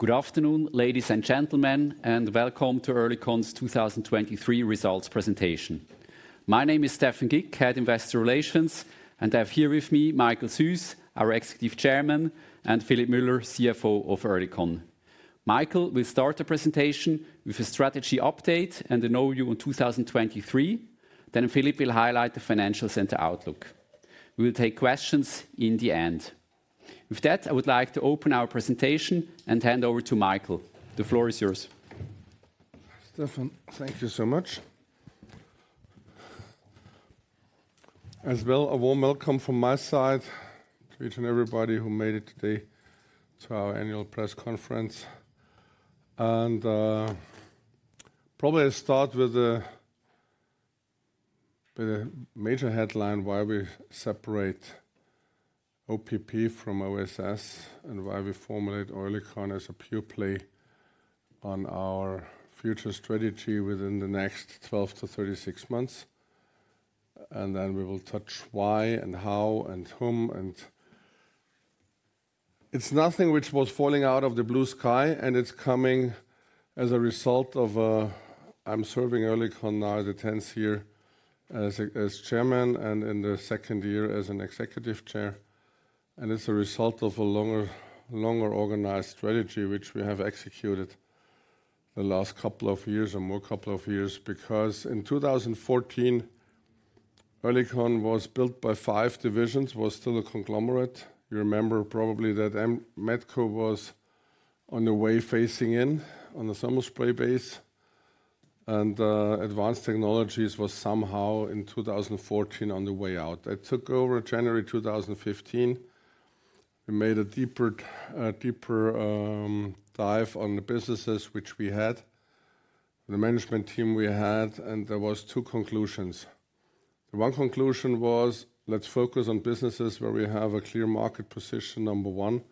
Good afternoon, ladies and gentlemen, and welcome to Oerlikon's 2023 Results Presentation. My name is Stephan Gick, Head Investor Relations, and I have here with me Michael Suess, our Executive Chairman, and Philipp Müller, CFO of Oerlikon. Michael will start the presentation with a strategy update and a review in 2023, then Philipp will highlight the financials and outlook. We will take questions in the end. With that, I would like to open our presentation and hand over to Michael. The floor is yours. Stephan, thank you so much. As well, a warm welcome from my side to each and everybody who made it today to our annual press conference. Probably I'll start with the major headline: why we separate OPP from OSS, and why we formulate Oerlikon as a pure play on our future strategy within the next 12-36 months. Then we will touch why, and how, and whom. It's nothing which was falling out of the blue sky, and it's coming as a result of a. I'm serving Oerlikon now the 10th year as Chairman and in the second year as an Executive Chair. It's a result of a longer, longer organized strategy which we have executed the last couple of years or more couple of years, because in 2014 Oerlikon was built by five divisions, was still a conglomerate. You remember probably that Metco was on the way focusing in on the thermal spray base, and Advanced Technologies was somehow in 2014 on the way out. It took over January 2015. We made a deeper, deeper dive on the businesses which we had, the management team we had, and there were two conclusions. The one conclusion was, "Let's focus on businesses where we have a clear market position, number one,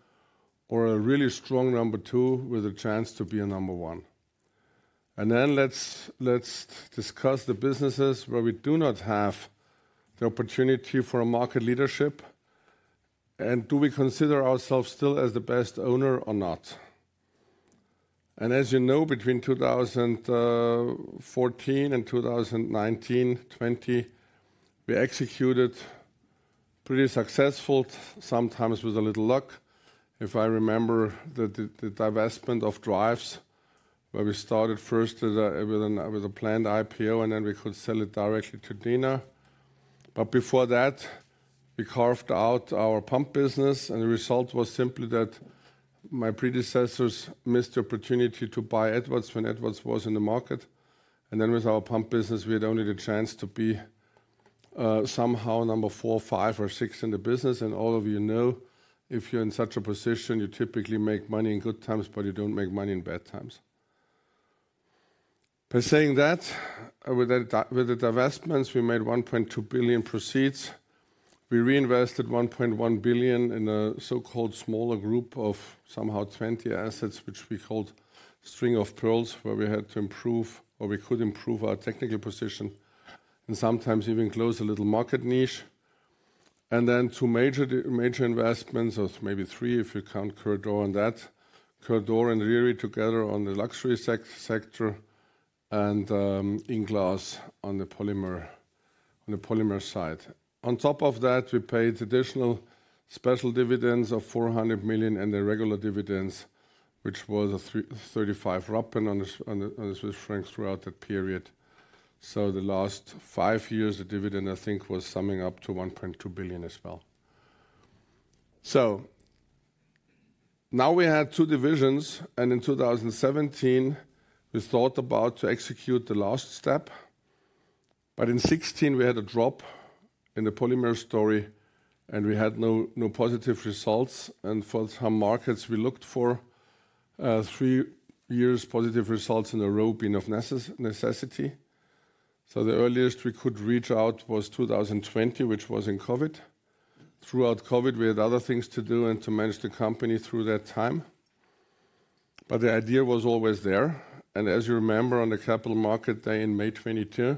or a really strong number two with a chance to be a number one." And then let's, let's discuss the businesses where we do not have the opportunity for market leadership, and do we consider ourselves still as the best owner or not. As you know, between 2014 and 2019/2020, we executed pretty successful, sometimes with a little luck, if I remember the divestment of Drives where we started first with a planned IPO and then we could sell it directly to Dana. But before that, we carved out our pump business, and the result was simply that my predecessors missed the opportunity to buy Edwards when Edwards was in the market. And then with our pump business, we had only the chance to be somehow number four, five, or six in the business. And all of you know, if you're in such a position, you typically make money in good times, but you don't make money in bad times. By saying that, with the divestments, we made 1.2 billion proceeds. We reinvested 1.1 billion in a so-called smaller group of somehow 20 assets which we called String of Pearls, where we had to improve or we could improve our technical position and sometimes even close a little market niche. And then two major, major investments, or maybe three if you count Coeurdor and that, Coeurdor and Riri together on the luxury sector and, INglass on the polymer side. On top of that, we paid additional special dividends of 400 million and the regular dividends, which was a 35 rappen on the Swiss francs throughout that period. So the last five years, the dividend, I think, was summing up to 1.2 billion as well. So now we had two divisions, and in 2017, we thought about to execute the last step. In 2016, we had a drop in the polymer story, and we had no, no positive results. For some markets we looked for, three years positive results in a row being of necessity. The earliest we could reach out was 2020, which was in COVID. Throughout COVID, we had other things to do and to manage the company through that time. The idea was always there. As you remember, on the capital market day in May 2022,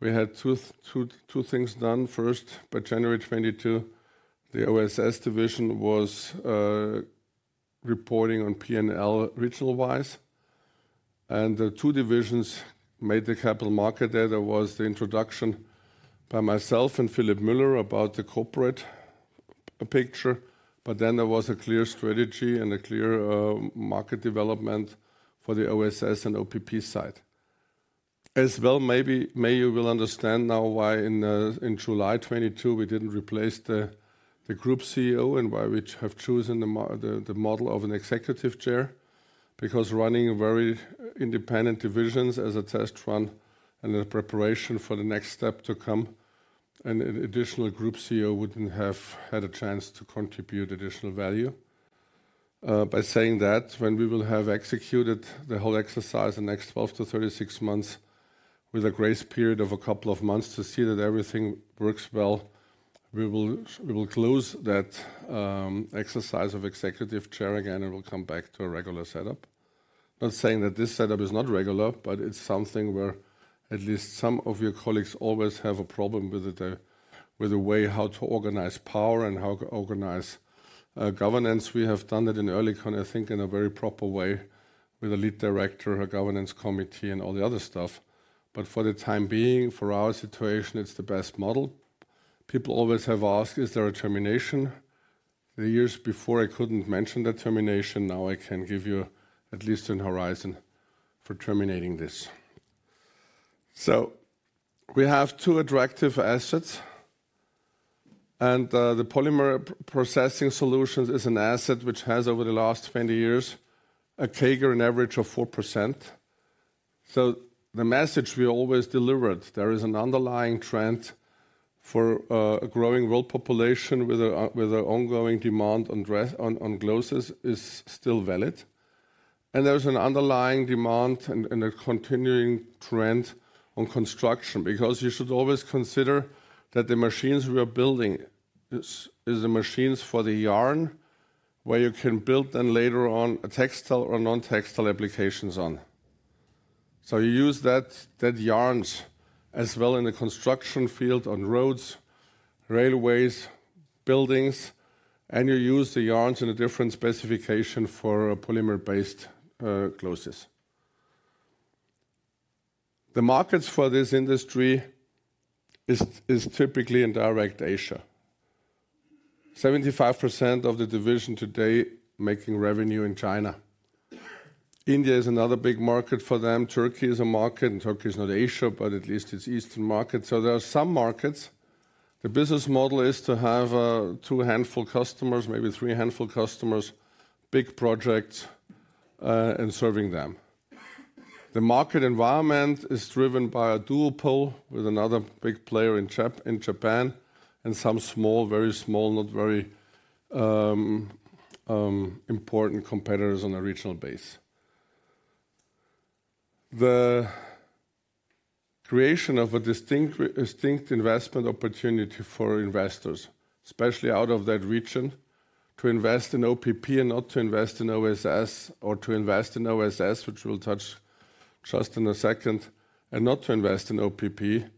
we had two, two, two things done. First, by January 2022, the OSS division was reporting on P&L regional-wise. The two divisions made the capital market day. There was the introduction by myself and Philipp Müller about the corporate picture, but then there was a clear strategy and a clear market development for the OSS and OPP side. As well, maybe you will understand now why in July 2022 we didn't replace the group CEO and why we have chosen the model of an executive chairman, because running very independent divisions as a test run and a preparation for the next step to come and an additional group CEO wouldn't have had a chance to contribute additional value. By saying that, when we will have executed the whole exercise the next 12-36 months with a grace period of a couple of months to see that everything works well, we will close that exercise of executive chairman again and we'll come back to a regular setup. Not saying that this setup is not regular, but it's something where at least some of your colleagues always have a problem with the way how to organize power and how to organize governance. We have done that in Oerlikon, I think, in a very proper way with a lead director, a governance committee, and all the other stuff. But for the time being, for our situation, it's the best model. People always have asked, "Is there a termination?" The years before I couldn't mention the termination. Now I can give you at least a horizon for terminating this. So we have two attractive assets. And, the Polymer processing solutions is an asset which has over the last 20 years a CAGR on average of 4%. So the message we always delivered, "There is an underlying trend for a growing world population with an ongoing demand on dresses on gloves," is still valid. And there's an underlying demand and a continuing trend on construction, because you should always consider that the machines we are building is the machines for the yarn where you can build then later on a textile or non-textile applications on. So you use that yarns as well in the construction field on roads, railways, buildings, and you use the yarns in a different specification for polymer-based gloves. The markets for this industry is typically in East Asia. 75% of the division today making revenue in China. India is another big market for them. Turkey is a market. Turkey is not Asia, but at least it's an Eastern market. So there are some markets. The business model is to have a two-handful customers, maybe three-handful customers, big projects, and serving them. The market environment is driven by a duopoly with another big player in Japan and some small, very small, not very important competitors on a regional base. The creation of a distinct investment opportunity for investors, especially out of that region, to invest in OPP and not to invest in OSS or to invest in OSS, which we'll touch just in a second, and not to invest in OPP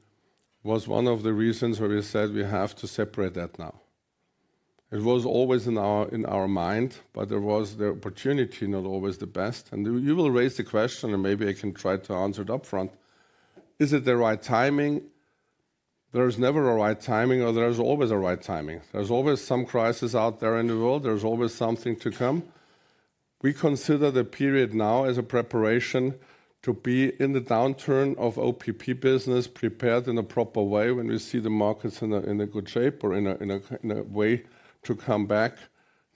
was one of the reasons where we said we have to separate that now. It was always in our mind, but there was the opportunity, not always the best. You will raise the question, and maybe I can try to answer it upfront: Is it the right timing? There is never a right timing, or there is always a right timing. There is always some crisis out there in the world. There is always something to come. We consider the period now as a preparation to be in the downturn of OPP business, prepared in a proper way when we see the markets in a good shape or in a way to come back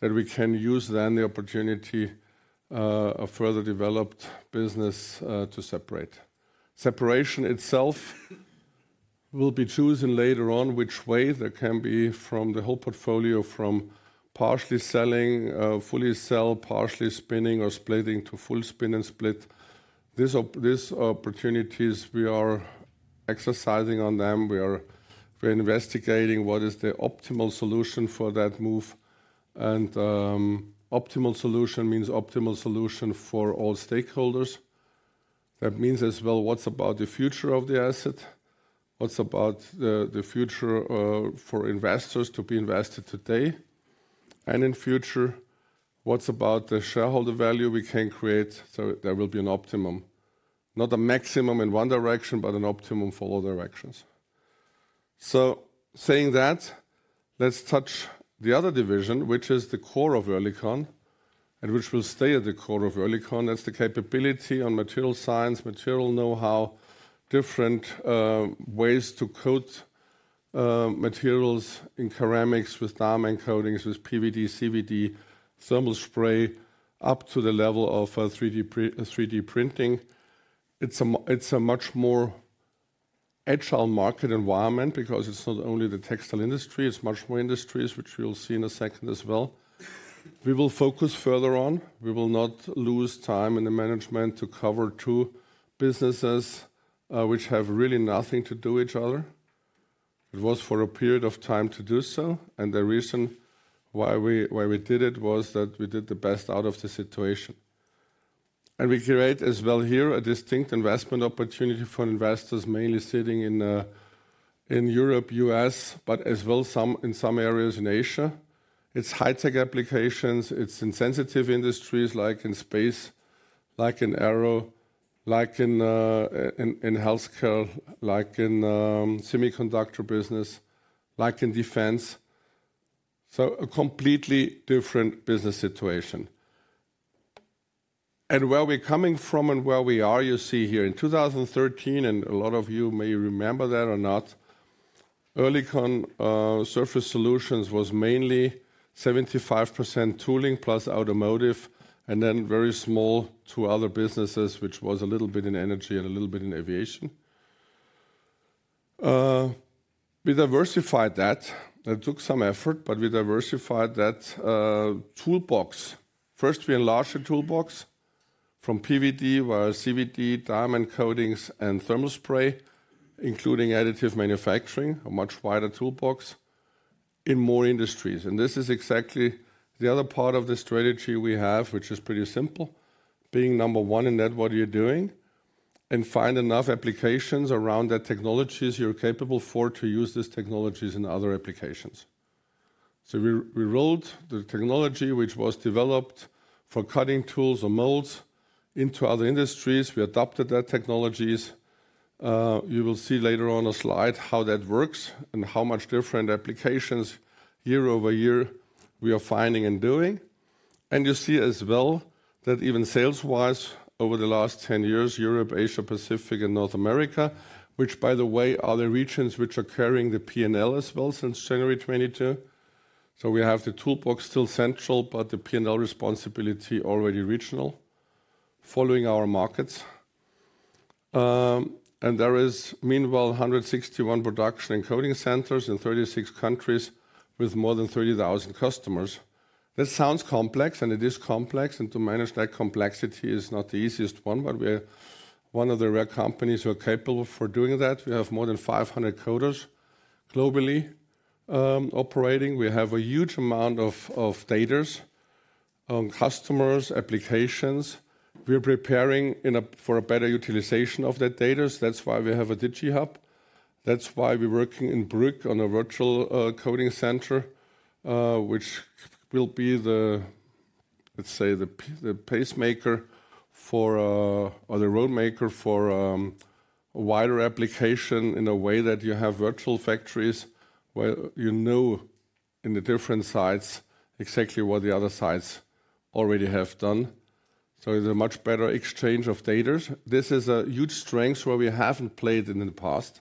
that we can use then the opportunity, a further developed business, to separate. Separation itself will be chosen later on which way. There can be from the whole portfolio, from partially selling, fully sell, partially spinning, or splitting to full spin and split. These opportunities, we are exercising on them. We are investigating what is the optimal solution for that move. Optimal solution means optimal solution for all stakeholders. That means as well, what's about the future of the asset? What about the future for investors to be invested today? And in future, what about the shareholder value we can create so there will be an optimum, not a maximum in one direction, but an optimum for all directions. So saying that, let's touch the other division, which is the core of Oerlikon and which will stay at the core of Oerlikon. That's the capability on material science, material know-how, different ways to coat materials in ceramics with diamond coatings, with PVD, CVD, thermal spray, up to the level of 3D printing. It's a much more agile market environment because it's not only the textile industry. It's much more industries, which you will see in a second as well. We will focus further on. We will not lose time in the management to cover two businesses, which have really nothing to do with each other. It was for a period of time to do so. The reason why we did it was that we did the best out of the situation. We create as well here a distinct investment opportunity for investors mainly sitting in Europe, U.S., but as well some in some areas in Asia. It's high-tech applications. It's in sensitive industries like in space, like in aero, like in healthcare, like in semiconductor business, like in defense. So a completely different business situation. Where we're coming from and where we are, you see here in 2013, and a lot of you may remember that or not, Oerlikon Surface Solutions was mainly 75% tooling plus automotive and then very small two other businesses, which was a little bit in energy and a little bit in aviation. We diversified that. It took some effort, but we diversified that toolbox. First, we enlarged the toolbox from PVD via CVD, diamond coatings, and thermal spray, including additive manufacturing, a much wider toolbox in more industries. This is exactly the other part of the strategy we have, which is pretty simple: being number one in that. "What are you doing?" and find enough applications around that technologies you're capable for to use these technologies in other applications. So we rolled the technology, which was developed for cutting tools or molds, into other industries. We adopted that technologies. You will see later on a slide how that works and how much different applications year-over-year we are finding and doing. You see as well that even sales-wise over the last 10 years, Europe, Asia Pacific, and North America, which, by the way, are the regions which are carrying the P&L as well since January 2022. So we have the toolbox still central, but the P&L responsibility already regional following our markets. And there is meanwhile 161 production and coating centers in 36 countries with more than 30,000 customers. That sounds complex, and it is complex. And to manage that complexity is not the easiest one, but we are one of the rare companies who are capable for doing that. We have more than 500 coaters globally, operating. We have a huge amount of data, customers, applications. We are preparing for a better utilization of that data. That's why we have a DigiHub. That's why we are working in Brea on a virtual coding center, which will be the, let's say, pacemaker for, or the roadmaker for, a wider application in a way that you have virtual factories where you know in the different sites exactly what the other sites already have done. So it's a much better exchange of data. This is a huge strength where we haven't played in the past.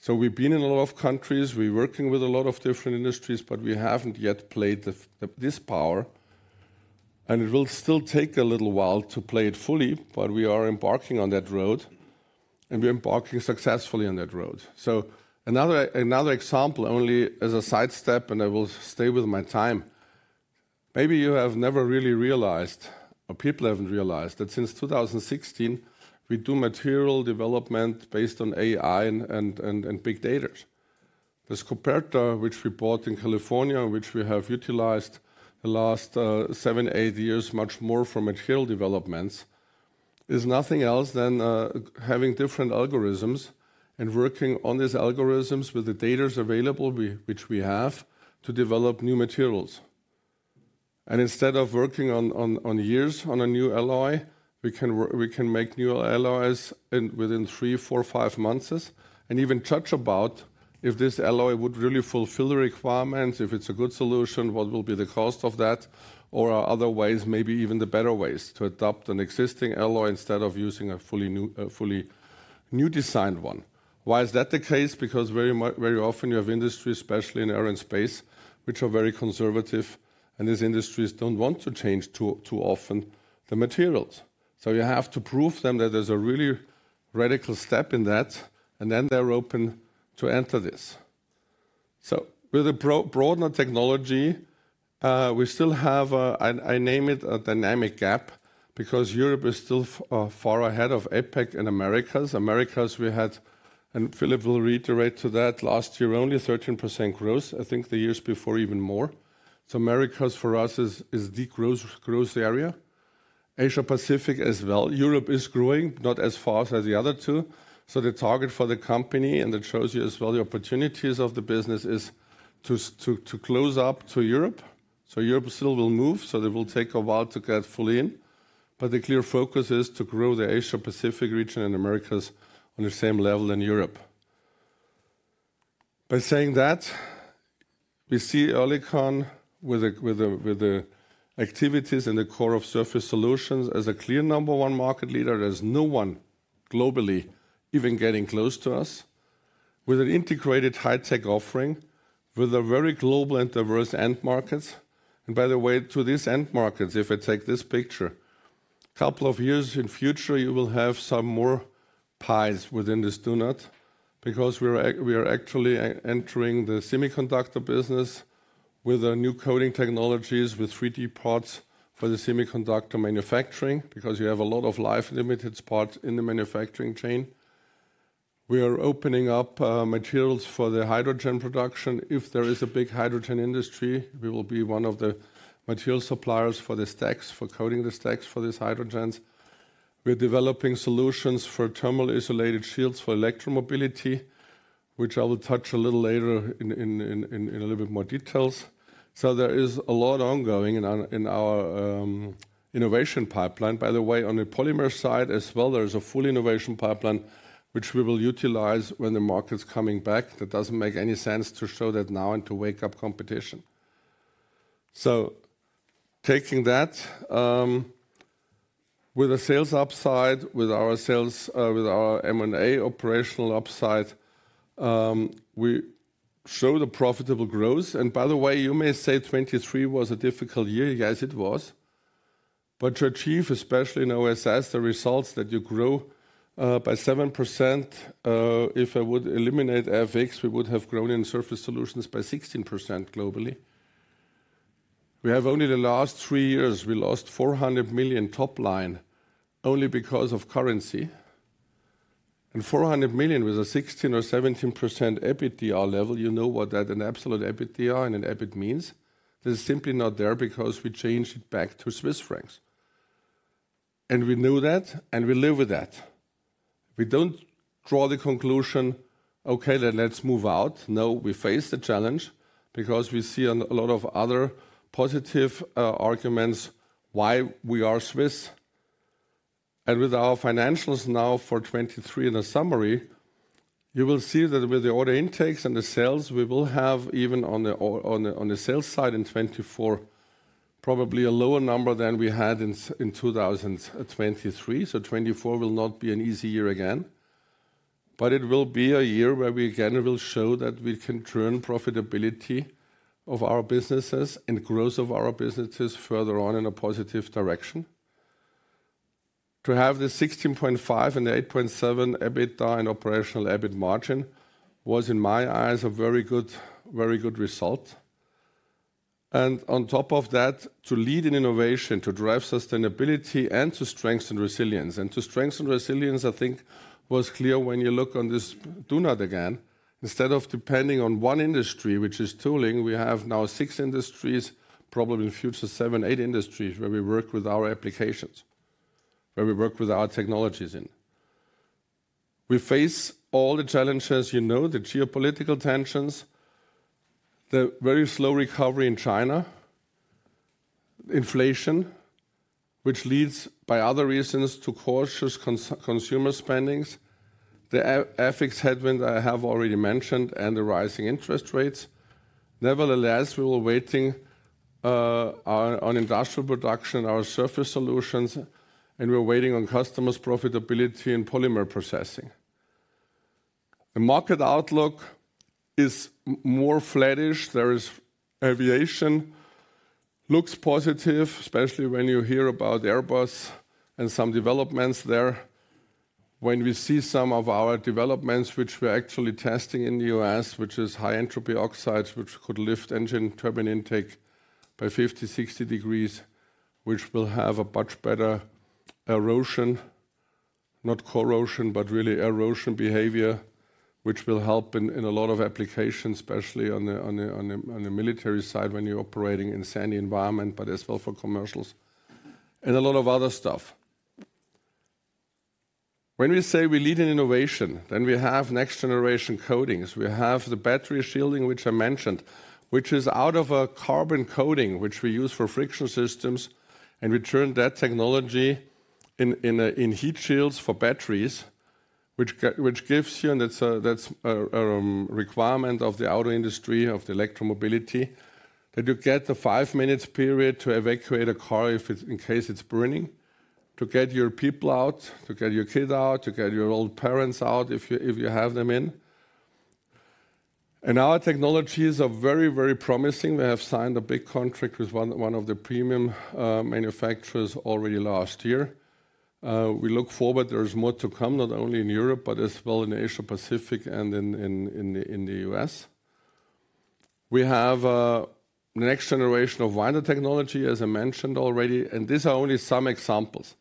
So we've been in a lot of countries. We're working with a lot of different industries, but we haven't yet played this power. And it will still take a little while to play it fully, but we are embarking on that road, and we are embarking successfully on that road. So another example, only as a sidestep, and I will stay with my time. Maybe you have never really realized, or people haven't realized, that since 2016, we do material development based on AI and Big Data. This Scoperta, which we bought in California, which we have utilized the last seven, eight years, much more for material developments, is nothing else than having different algorithms and working on these algorithms with the data available, which we have, to develop new materials. And instead of working years on a new alloy, we can make new alloys within three, four, five months and even talk about if this alloy would really fulfill the requirements, if it's a good solution, what will be the cost of that, or are other ways, maybe even the better ways, to adapt an existing alloy instead of using a fully new designed one. Why is that the case? Because very very often you have industries, especially in air and space, which are very conservative, and these industries don't want to change too too often the materials. So you have to prove them that there's a really radical step in that, and then they're open to enter this. So with a Balzers technology, we still have, I name it, a dynamic gap because Europe is still far ahead of APAC and Americas. Americas, we had and Philipp will reiterate to that last year, only 13% growth. I think the years before even more. So Americas for us is the growth area. Asia-Pacific as well. Europe is growing, not as fast as the other two. So the target for the company, and it shows you as well the opportunities of the business, is to close up to Europe. So Europe still will move. So it will take a while to get fully in. But the clear focus is to grow the Asia-Pacific region and Americas on the same level in Europe. By saying that, we see Oerlikon with the activities in the core of Surface Solutions as a clear number one market leader. There is no one globally even getting close to us with an integrated high-tech offering, with a very global and diverse end markets. And by the way, to these end markets, if I take this picture, a couple of years in future, you will have some more pies within this doughnut because we are actually entering the semiconductor business with new coating technologies, with 3D parts for the semiconductor manufacturing because you have a lot of life-limited parts in the manufacturing chain. We are opening up materials for the hydrogen production. If there is a big hydrogen industry, we will be one of the material suppliers for the stacks, for coating the stacks for these hydrogens. We are developing solutions for thermally isolated shields for electromobility, which I will touch a little later in a little bit more detail. So there is a lot ongoing in our innovation pipeline. By the way, on the polymer side as well, there is a full innovation pipeline, which we will utilize when the market is coming back. That doesn't make any sense to show that now and to wake up competition. So taking that, with a sales upside, with our sales with our M&A operational upside, we show the profitable growth. And by the way, you may say 2023 was a difficult year. Yes, it was. But to achieve, especially in OSS, the results that you grow by 7%, if I would eliminate FX, we would have grown in Surface Solutions by 16% globally. We have only the last three years, we lost 400 million top line only because of currency. And 400 million with a 16%-17% EBITDA level, you know what that an absolute EBITDA and an EBIT means. That is simply not there because we changed it back to Swiss francs. And we know that, and we live with that. We don't draw the conclusion, "Okay, then let's move out." No, we face the challenge because we see a lot of other positive arguments why we are Swiss. And with our financials now for 2023 in a summary, you will see that with the order intakes and the sales, we will have even on the sales side in 2024 probably a lower number than we had in 2023. So 2024 will not be an easy year again, but it will be a year where we again will show that we can turn profitability of our businesses and growth of our businesses further on in a positive direction. To have the 16.5% and the 8.7% EBITDA and operational EBIT margin was, in my eyes, a very good very good result. And on top of that, to lead in innovation, to drive sustainability, and to strengthen resilience. And to strengthen resilience, I think, was clear when you look on this doughnut again. Instead of depending on one industry, which is tooling, we have now six industries, probably in the future seven, eight industries where we work with our applications, where we work with our technologies in. We face all the challenges, you know, the geopolitical tensions, the very slow recovery in China, inflation, which leads by other reasons to cautious consumer spending, the FX headwind I have already mentioned, and the rising interest rates. Nevertheless, we were waiting on industrial production, our Surface Solutions, and we were waiting on customers' profitability in polymer processing. The market outlook is more flatish. There is aviation, looks positive, especially when you hear about Airbus and some developments there. When we see some of our developments, which we are actually testing in the U.S., which is High Entropy Oxides, which could lift engine turbine intake by 50-60 degrees, which will have a much better erosion, not corrosion, but really erosion behavior, which will help in a lot of applications, especially on the military side when you are operating in a sandy environment, but as well for commercials and a lot of other stuff. When we say we lead in innovation, then we have next-generation coatings. We have the battery shielding, which I mentioned, which is out of a carbon coating, which we use for friction systems, and we turn that technology into heat shields for batteries, which gives you and that's a requirement of the auto industry, of the electromobility, that you get the five-minute period to evacuate a car if it's in case it's burning, to get your people out, to get your kid out, to get your old parents out if you have them in. And our technologies are very, very promising. We have signed a big contract with one of the premium manufacturers already last year. We look forward. There is more to come, not only in Europe, but as well in Asia-Pacific and in the U.S. We have the next generation of winder technology, as I mentioned already, and these are only some examples.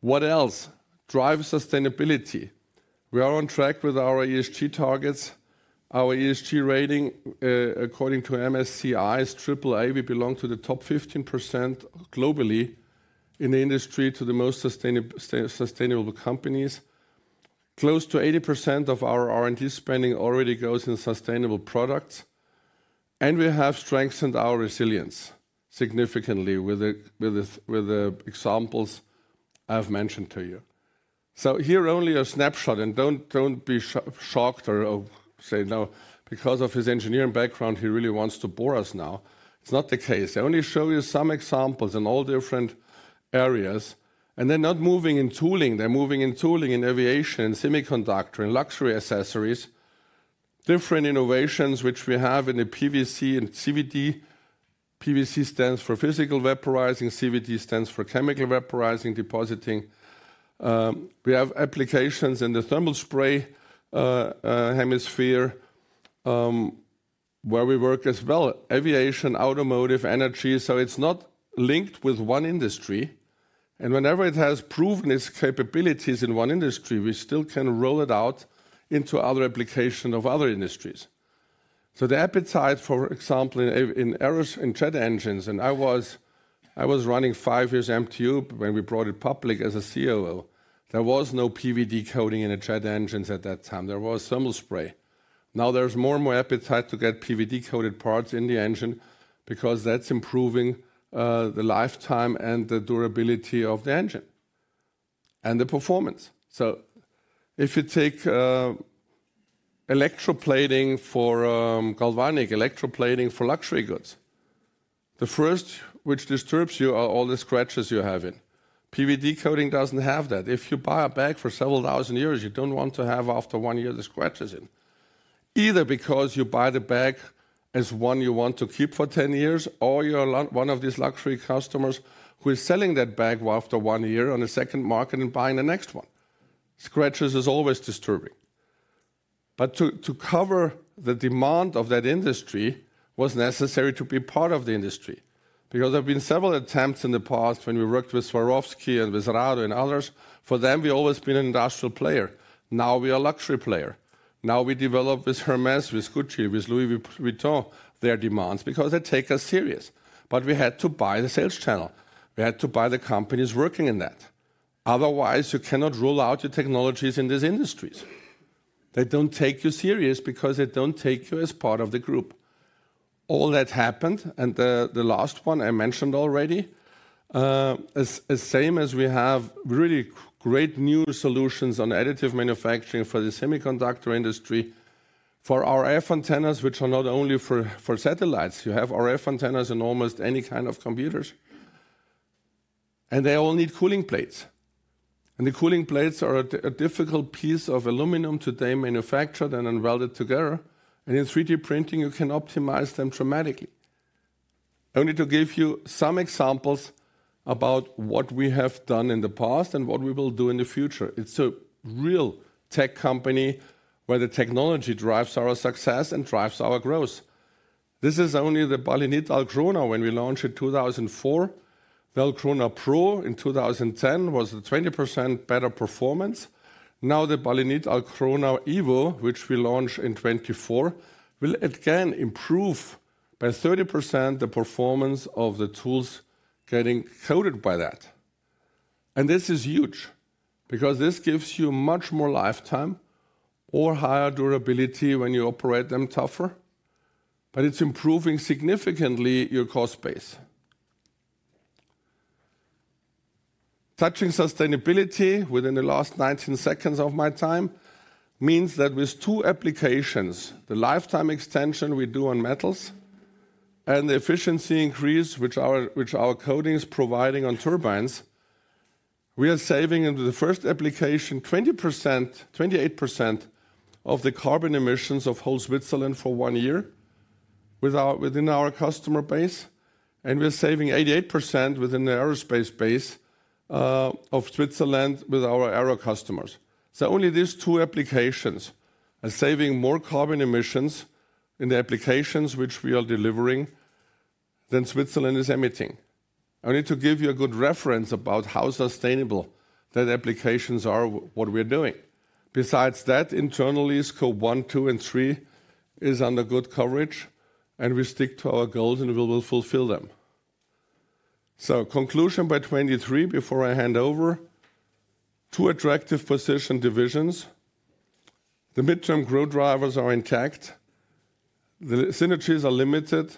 What else? Drive sustainability. We are on track with our ESG targets. Our ESG rating, according to MSCI's AAA, we belong to the top 15% globally in the industry to the most sustainable companies. Close to 80% of our R&D spending already goes in sustainable products. And we have strengthened our resilience significantly with the examples I have mentioned to you. So here is only a snapshot, and don't be shocked or say, "No, because of his engineering background, he really wants to bore us now." It's not the case. I only show you some examples in all different areas. And they're not moving in tooling. They're moving in tooling in aviation and semiconductor and luxury accessories. Different innovations, which we have in the PVD and CVD. PVD stands for physical vaporizing. CVD stands for chemical vaporizing, depositing. We have applications in the thermal spray hemisphere where we work as well: aviation, automotive, energy. So it's not linked with one industry. And whenever it has proven its capabilities in one industry, we still can roll it out into other applications of other industries. So the appetite, for example, in jet engines and I was running five years MTU when we brought it public as a COO. There was no PVD coating in the jet engines at that time. There was thermal spray. Now there's more and more appetite to get PVD-coated parts in the engine because that's improving the lifetime and the durability of the engine and the performance. So if you take electroplating for galvanic, electroplating for luxury goods, the first which disturbs you are all the scratches you have in. PVD coating doesn't have that. If you buy a bag for several thousand years, you don't want to have after one year the scratches in, either because you buy the bag as one you want to keep for 10 years or you're one of these luxury customers who is selling that bag after one year on a second market and buying the next one. Scratches are always disturbing. But to cover the demand of that industry was necessary to be part of the industry because there have been several attempts in the past when we worked with Swarovski and with Rado and others. For them, we have always been an industrial player. Now we are a luxury player. Now we develop with Hermès, with Gucci, with Louis Vuitton their demands because they take us serious. But we had to buy the sales channel. We had to buy the companies working in that. Otherwise, you cannot roll out your technologies in these industries. They don't take you seriously because they don't take you as part of the group. All that happened and the last one I mentioned already is the same as we have really great new solutions on Additive Manufacturing for the semiconductor industry, for RF antennas, which are not only for satellites. You have RF antennas in almost any kind of computers, and they all need cooling plates. And the cooling plates are a difficult piece of aluminum today manufactured and then welded together. And in 3D printing, you can optimize them dramatically. Only to give you some examples about what we have done in the past and what we will do in the future. It's a real tech company where the technology drives our success and drives our growth. This is only the BALINIT Alcrona when we launched in 2004. The Alcrona Pro in 2010 was a 20% better performance. Now the BALINIT Alcrona EVO, which we launched in 2024, will again improve by 30% the performance of the tools getting coated by that. And this is huge because this gives you much more lifetime or higher durability when you operate them tougher, but it's improving significantly your cost base. Touching sustainability within the last 19 seconds of my time means that with two applications, the lifetime extension we do on metals and the efficiency increase which our coating is providing on turbines, we are saving in the first application 20%-28% of the carbon emissions of whole Switzerland for one year within our customer base. And we are saving 88% within the aerospace base of Switzerland with our aero customers. So only these two applications are saving more carbon emissions in the applications which we are delivering than Switzerland is emitting. I only to give you a good reference about how sustainable that applications are what we are doing. Besides that, internally, Scope 1, 2, and 3 is under good coverage, and we stick to our goals and we will fulfill them. So conclusion by 2023 before I hand over: two attractive position divisions. The midterm growth drivers are intact. The synergies are limited.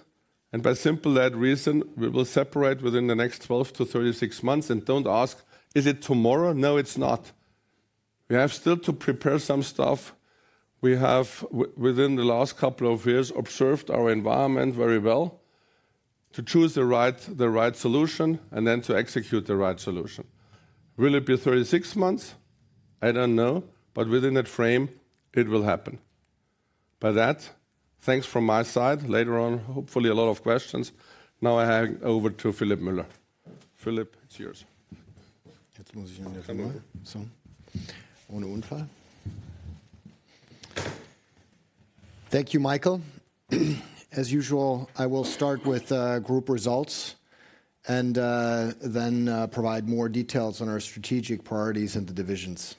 And by simple that reason, we will separate within the next 12-36 months. And don't ask, "Is it tomorrow?" No, it's not. We have still to prepare some stuff. We have, within the last couple of years, observed our environment very well to choose the right solution and then to execute the right solution. Will it be 36 months? I don't know, but within that frame, it will happen. By that, thanks from my side. Later on, hopefully, a lot of questions. Now I hand over to Philipp Müller. Philipp, it's yours. Jetzt muss ich Ihnen jetzt mal sagen: Ohne Unfall. Thank you, Michael. As usual, I will start with group results and then provide more details on our strategic priorities and the divisions.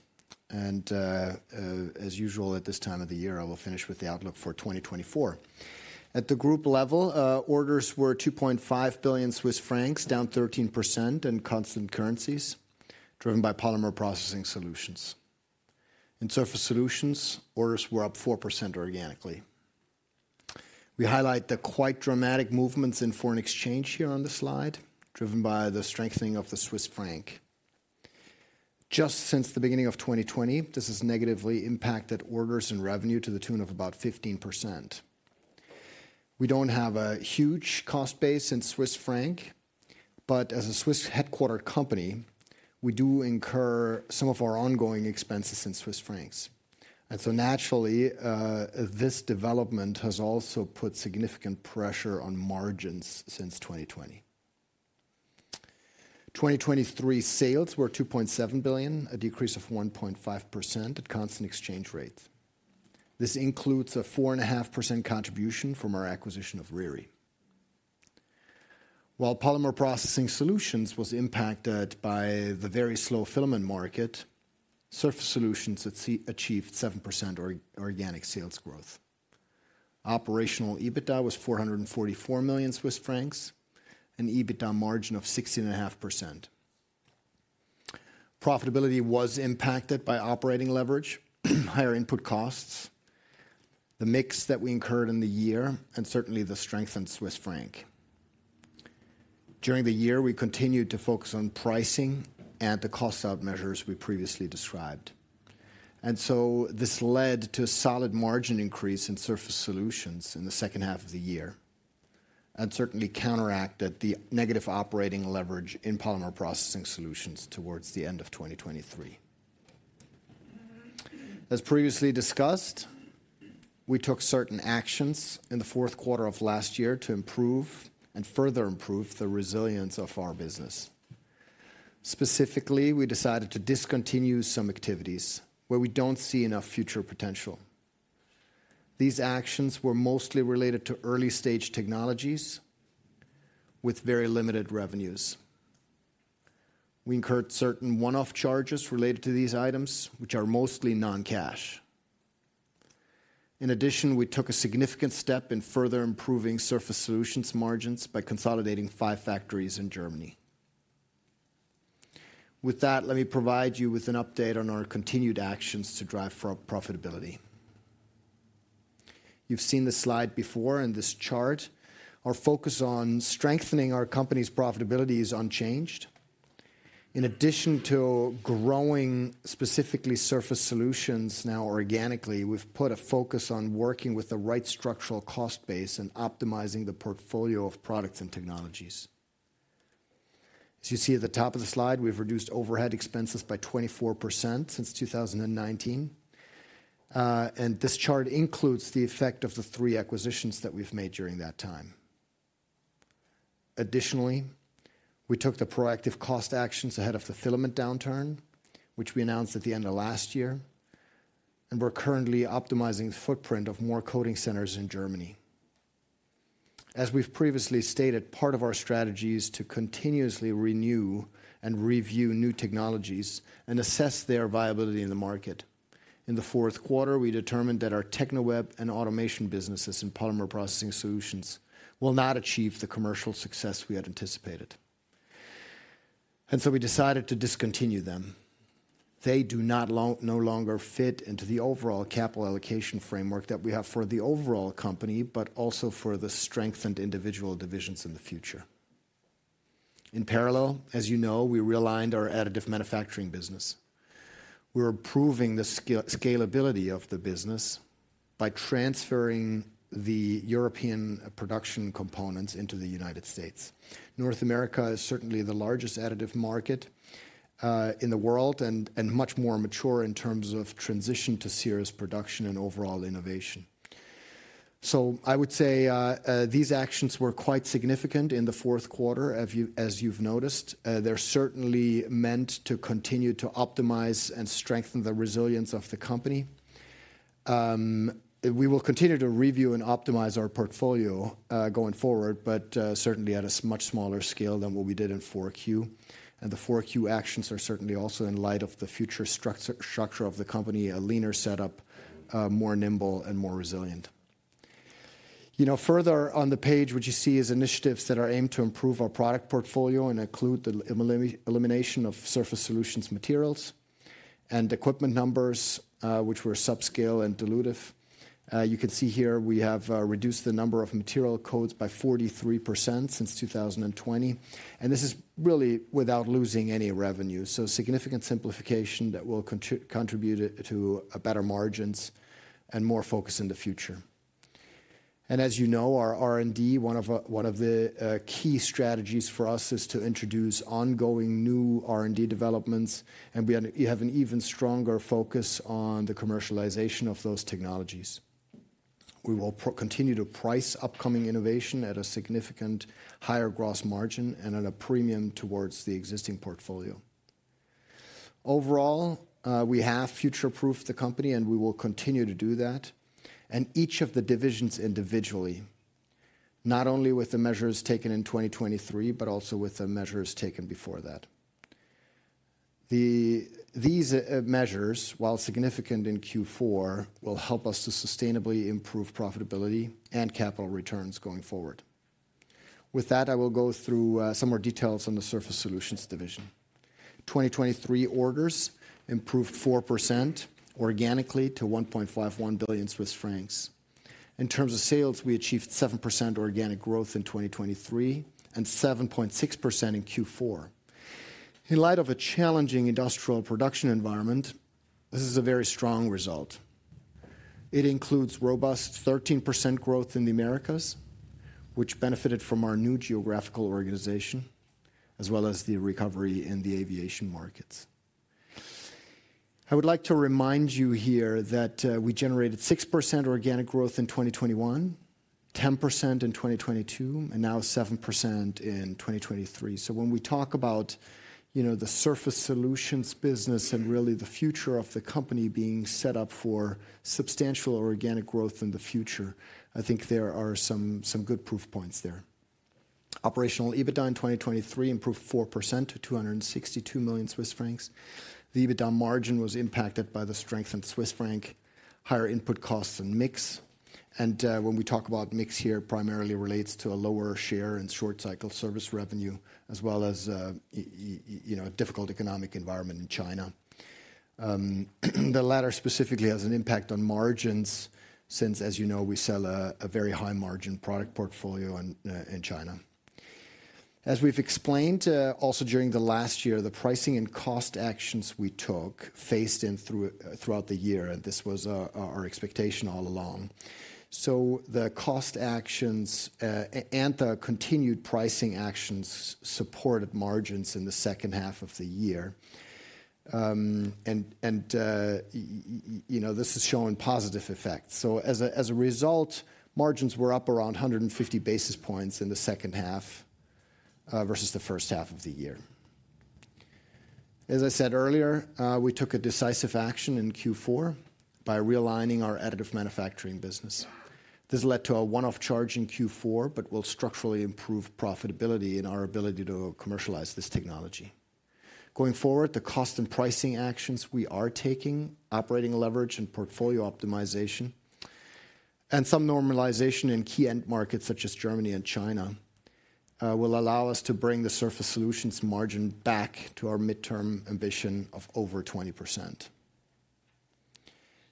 As usual, at this time of the year, I will finish with the outlook for 2024. At the group level, orders were 2.5 billion Swiss francs, down 13% in constant currencies, driven by polymer processing solutions. In Surface Solutions, orders were up 4% organically. We highlight the quite dramatic movements in foreign exchange here on the slide, driven by the strengthening of the Swiss franc. Just since the beginning of 2020, this has negatively impacted orders and revenue to the tune of about 15%. We don't have a huge cost base in Swiss franc, but as a Swiss headquartered company, we do incur some of our ongoing expenses in Swiss francs. And so, naturally, this development has also put significant pressure on margins since 2020. 2023 sales were 2.7 billion, a decrease of 1.5% at constant exchange rates. This includes a 4.5% contribution from our acquisition of Riri. While polymer processing solutions were impacted by the very slow filament market, Surface Solutions achieved 7% organic sales growth. Operational EBITDA was 444 million Swiss francs, an EBITDA margin of 16.5%. Profitability was impacted by operating leverage, higher input costs, the mix that we incurred in the year, and certainly the strengthened Swiss franc. During the year, we continued to focus on pricing and the cost out measures we previously described. So this led to a solid margin increase in Surface Solutions in the second half of the year and certainly counteracted the negative operating leverage in polymer processing solutions towards the end of 2023. As previously discussed, we took certain actions in the fourth quarter of last year to improve and further improve the resilience of our business. Specifically, we decided to discontinue some activities where we don't see enough future potential. These actions were mostly related to early-stage technologies with very limited revenues. We incurred certain one-off charges related to these items, which are mostly non-cash. In addition, we took a significant step in further improving Surface Solutions' margins by consolidating five factories in Germany. With that, let me provide you with an update on our continued actions to drive profitability. You've seen the slide before and this chart. Our focus on strengthening our company's profitability is unchanged. In addition to growing specifically Surface Solutions now organically, we've put a focus on working with the right structural cost base and optimizing the portfolio of products and technologies. As you see at the top of the slide, we've reduced overhead expenses by 24% since 2019. This chart includes the effect of the three acquisitions that we've made during that time. Additionally, we took the proactive cost actions ahead of the filament downturn, which we announced at the end of last year, and we're currently optimizing the footprint of more coating centers in Germany. As we've previously stated, part of our strategy is to continuously renew and review new technologies and assess their viability in the market. In the fourth quarter, we determined that our Teknoweb and automation businesses in Polymer Processing Solutions will not achieve the commercial success we had anticipated. So we decided to discontinue them. They no longer fit into the overall capital allocation framework that we have for the overall company, but also for the strengthened individual divisions in the future. In parallel, as you know, we realigned our Additive Manufacturing business. We are improving the scalability of the business by transferring the European production components into the United States. North America is certainly the largest Additive Manufacturing market in the world and much more mature in terms of transition to serious production and overall innovation. So I would say these actions were quite significant in the fourth quarter, as you've noticed. They're certainly meant to continue to optimize and strengthen the resilience of the company. We will continue to review and optimize our portfolio going forward, but certainly at a much smaller scale than what we did in 4Q. The 4Q actions are certainly also in light of the future structure of the company, a leaner setup, more nimble, and more resilient. Further on the page, what you see is initiatives that are aimed to improve our product portfolio and include the elimination of Surface Solutions materials and equipment numbers, which were subscale and dilutive. You can see here we have reduced the number of material codes by 43% since 2020. This is really without losing any revenue. Significant simplification that will contribute to better margins and more focus in the future. As you know, our R&D, one of the key strategies for us, is to introduce ongoing new R&D developments. We have an even stronger focus on the commercialization of those technologies. We will continue to price upcoming innovation at a significantly higher gross margin and at a premium towards the existing portfolio. Overall, we have future-proofed the company, and we will continue to do that in each of the divisions individually, not only with the measures taken in 2023, but also with the measures taken before that. These measures, while significant in Q4, will help us to sustainably improve profitability and capital returns going forward. With that, I will go through some more details on the Surface Solutions division. 2023 orders improved 4% organically to 1.51 billion Swiss francs. In terms of sales, we achieved 7% organic growth in 2023 and 7.6% in Q4. In light of a challenging industrial production environment, this is a very strong result. It includes robust 13% growth in the Americas, which benefited from our new geographical organization, as well as the recovery in the aviation markets. I would like to remind you here that we generated 6% organic growth in 2021, 10% in 2022, and now 7% in 2023. So when we talk about the Surface Solutions business and really the future of the company being set up for substantial organic growth in the future, I think there are some good proof points there. Operational EBITDA in 2023 improved 4% to 262 million Swiss francs. The EBITDA margin was impacted by the strengthened Swiss franc, higher input costs, and mix. And when we talk about mix here, it primarily relates to a lower share and short-cycle service revenue, as well as a difficult economic environment in China. The latter specifically has an impact on margins since, as you know, we sell a very high-margin product portfolio in China. As we've explained also during the last year, the pricing and cost actions we took phased in throughout the year, and this was our expectation all along. So the cost actions and the continued pricing actions supported margins in the second half of the year. And this has shown positive effects. So as a result, margins were up around 150 basis points in the second half versus the first half of the year. As I said earlier, we took a decisive action in Q4 by realigning our additive manufacturing business. This led to a one-off charge in Q4, but will structurally improve profitability in our ability to commercialize this technology. Going forward, the cost and pricing actions we are taking, operating leverage and portfolio optimization, and some normalization in key end markets such as Germany and China will allow us to bring the Surface Solutions margin back to our midterm ambition of over 20%.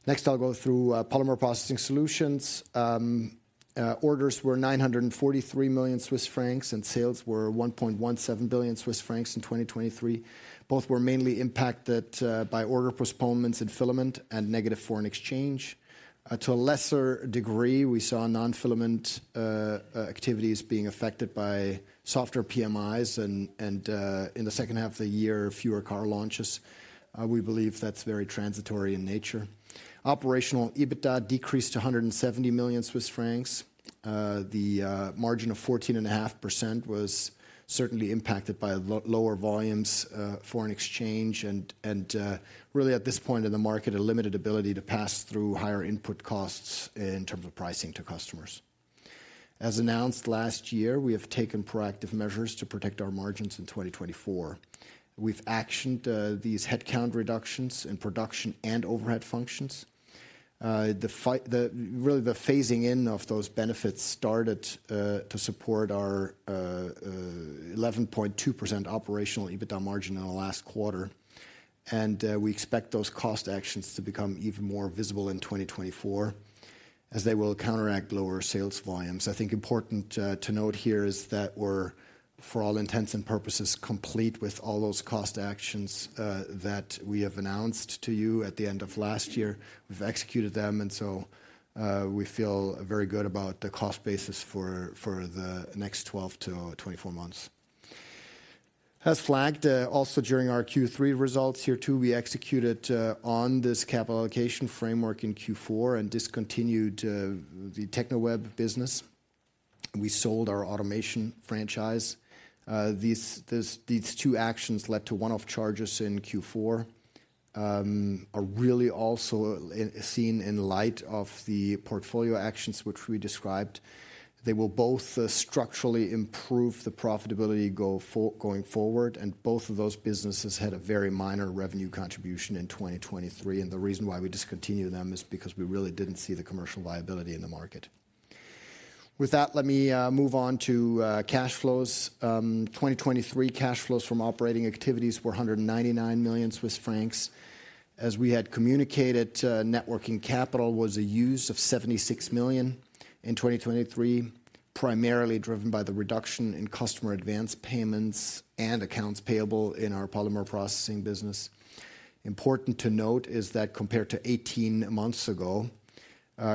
Next, I'll go through Polymer Processing Solutions. Orders were 943 million Swiss francs, and sales were 1.17 billion Swiss francs in 2023. Both were mainly impacted by order postponements in filament and negative foreign exchange. To a lesser degree, we saw non-filament activities being affected by softer PMIs, and in the second half of the year, fewer car launches. We believe that's very transitory in nature. Operational EBITDA decreased to 170 million Swiss francs. The margin of 14.5% was certainly impacted by lower volumes, foreign exchange, and really, at this point in the market, a limited ability to pass through higher input costs in terms of pricing to customers. As announced last year, we have taken proactive measures to protect our margins in 2024. We've actioned these headcount reductions in production and overhead functions. Really, the phasing in of those benefits started to support our 11.2% operational EBITDA margin in the last quarter. And we expect those cost actions to become even more visible in 2024 as they will counteract lower sales volumes. I think important to note here is that we're, for all intents and purposes, complete with all those cost actions that we have announced to you at the end of last year. We've executed them, and so we feel very good about the cost basis for the next 12-24 months. As flagged also during our Q3 results here too, we executed on this capital allocation framework in Q4 and discontinued the Teknoweb business. We sold our automation franchise. These two actions led to one-off charges in Q4, are really also seen in light of the portfolio actions which we described. They will both structurally improve the profitability going forward, and both of those businesses had a very minor revenue contribution in 2023. The reason why we discontinued them is because we really didn't see the commercial viability in the market. With that, let me move on to cash flows. 2023 cash flows from operating activities were 199 million Swiss francs. As we had communicated, net working capital was a use of 76 million in 2023, primarily driven by the reduction in customer advance payments and accounts payable in our polymer processing business. Important to note is that compared to 18 months ago,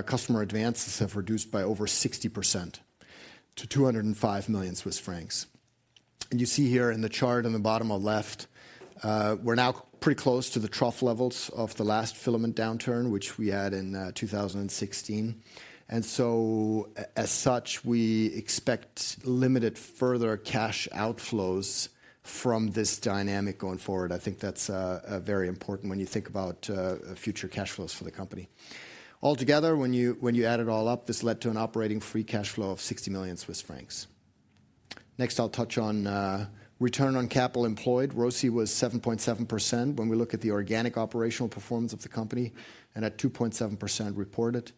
customer advances have reduced by over 60% to 205 million Swiss francs. You see here in the chart on the bottom left, we're now pretty close to the trough levels of the last filament downturn, which we had in 2016. So as such, we expect limited further cash outflows from this dynamic going forward. I think that's very important when you think about future cash flows for the company. Altogether, when you add it all up, this led to an operating free cash flow of 60 million Swiss francs. Next, I'll touch on return on capital employed. ROCE was 7.7% when we look at the organic operational performance of the company and at 2.7% reported.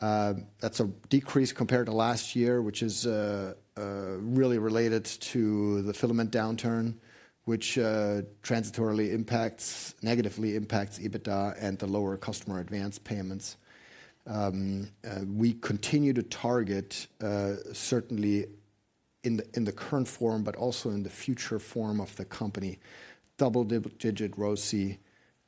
That's a decrease compared to last year, which is really related to the filament downturn, which transitorily impacts, negatively impacts EBITDA and the lower customer advance payments. We continue to target, certainly in the current form, but also in the future form of the company, double-digit ROCE,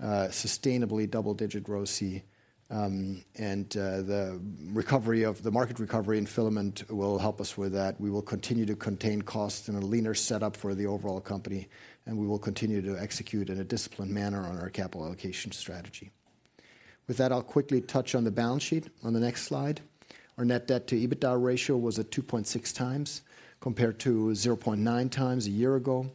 sustainably double-digit ROCE. The recovery of the market recovery in filament will help us with that. We will continue to contain costs in a leaner setup for the overall company, and we will continue to execute in a disciplined manner on our capital allocation strategy. With that, I'll quickly touch on the balance sheet on the next slide. Our net debt to EBITDA ratio was at 2.6 times compared to 0.9 times a year ago.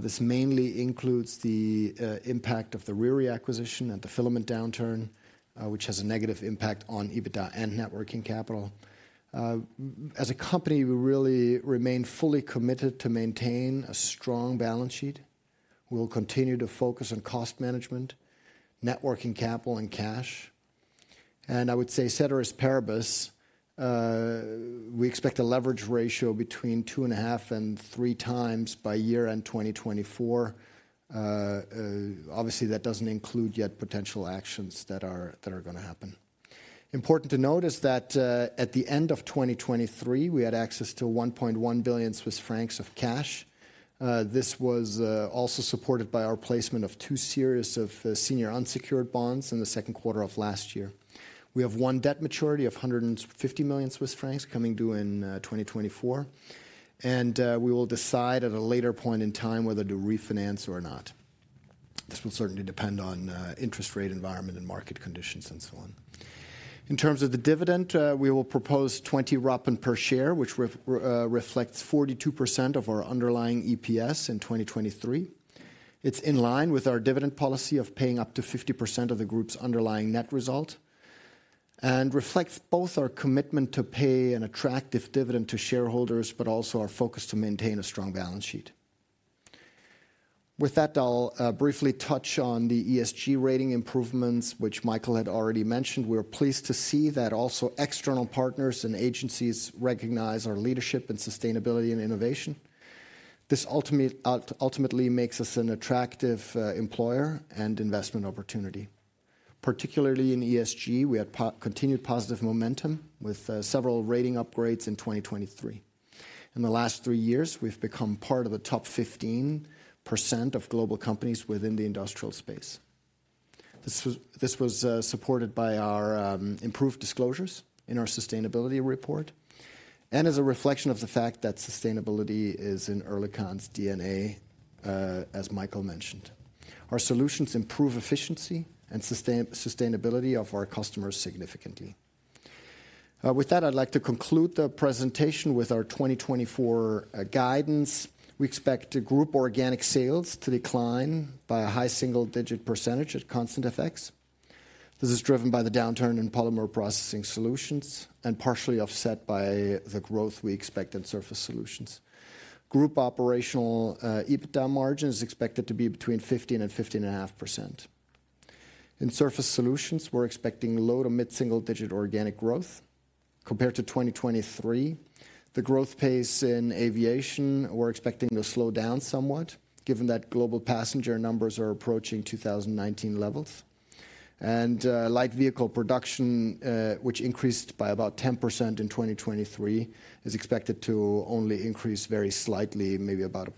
This mainly includes the impact of the re-acquisition and the filament downturn, which has a negative impact on EBITDA and net working capital. As a company, we really remain fully committed to maintain a strong balance sheet. We'll continue to focus on cost management, net working capital, and cash. I would say, ceteris paribus, we expect a leverage ratio between 2.5 and three times by year-end 2024. Obviously, that doesn't include yet potential actions that are going to happen. Important to note is that at the end of 2023, we had access to 1.1 billion Swiss francs of cash. This was also supported by our placement of two series of senior unsecured bonds in the second quarter of last year. We have one debt maturity of 150 million Swiss francs coming due in 2024. We will decide at a later point in time whether to refinance or not. This will certainly depend on interest rate environment and market conditions and so on. In terms of the dividend, we will propose 0.20 per share, which reflects 42% of our underlying EPS in 2023. It's in line with our dividend policy of paying up to 50% of the group's underlying net result and reflects both our commitment to pay an attractive dividend to shareholders, but also our focus to maintain a strong balance sheet. With that, I'll briefly touch on the ESG rating improvements, which Michael had already mentioned. We are pleased to see that also external partners and agencies recognize our leadership in sustainability and innovation. This ultimately makes us an attractive employer and investment opportunity. Particularly in ESG, we had continued positive momentum with several rating upgrades in 2023. In the last three years, we've become part of the top 15% of global companies within the industrial space. This was supported by our improved disclosures in our sustainability report and as a reflection of the fact that sustainability is in Oerlikon's DNA, as Michael mentioned. Our solutions improve efficiency and sustainability of our customers significantly. With that, I'd like to conclude the presentation with our 2024 guidance. We expect group organic sales to decline by a high single-digit % at constant effects. This is driven by the downturn in polymer processing solutions and partially offset by the growth we expect in Surface Solutions. Group operational EBITDA margin is expected to be between 15%-15.5%. In Surface Solutions, we're expecting low to mid-single-digit organic growth compared to 2023. The growth pace in aviation, we're expecting to slow down somewhat given that global passenger numbers are approaching 2019 levels. Light vehicle production, which increased by about 10% in 2023, is expected to only increase very slightly, maybe about 1%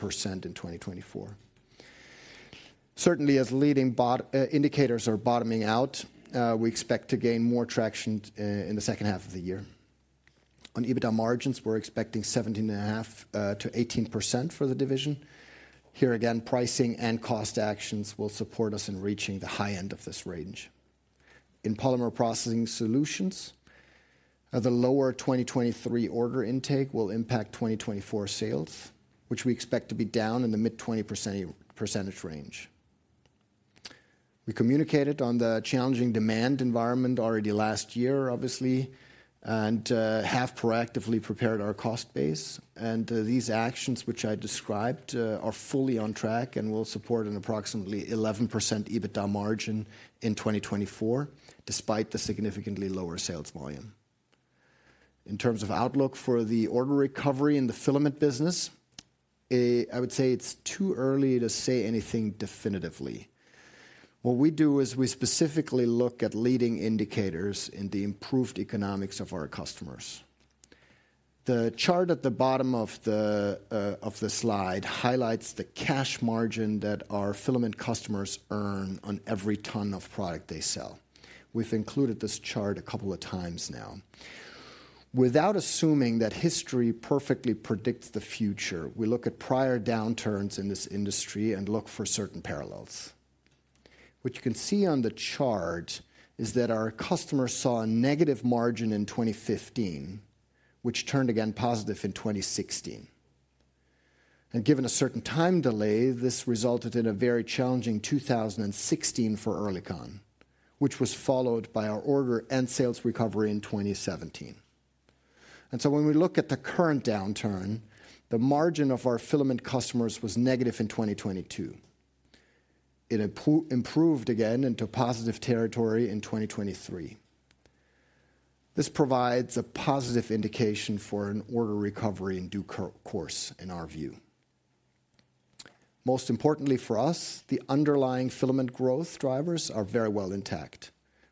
in 2024. Certainly, as leading indicators are bottoming out, we expect to gain more traction in the second half of the year. On EBITDA margins, we're expecting 17.5%-18% for the division. Here again, pricing and cost actions will support us in reaching the high end of this range. In polymer processing solutions, the lower 2023 order intake will impact 2024 sales, which we expect to be down in the mid-20% percentage range. We communicated on the challenging demand environment already last year, obviously, and have proactively prepared our cost base. These actions, which I described, are fully on track and will support an approximately 11% EBITDA margin in 2024, despite the significantly lower sales volume. In terms of outlook for the order recovery in the filament business, I would say it's too early to say anything definitively. What we do is we specifically look at leading indicators in the improved economics of our customers. The chart at the bottom of the slide highlights the cash margin that our filament customers earn on every ton of product they sell. We've included this chart a couple of times now. Without assuming that history perfectly predicts the future, we look at prior downturns in this industry and look for certain parallels. What you can see on the chart is that our customers saw a negative margin in 2015, which turned again positive in 2016. Given a certain time delay, this resulted in a very challenging 2016 for Oerlikon, which was followed by our order and sales recovery in 2017. When we look at the current downturn, the margin of our filament customers was negative in 2022. It improved again into positive territory in 2023. This provides a positive indication for an order recovery in due course, in our view. Most importantly for us, the underlying filament growth drivers are very well intact.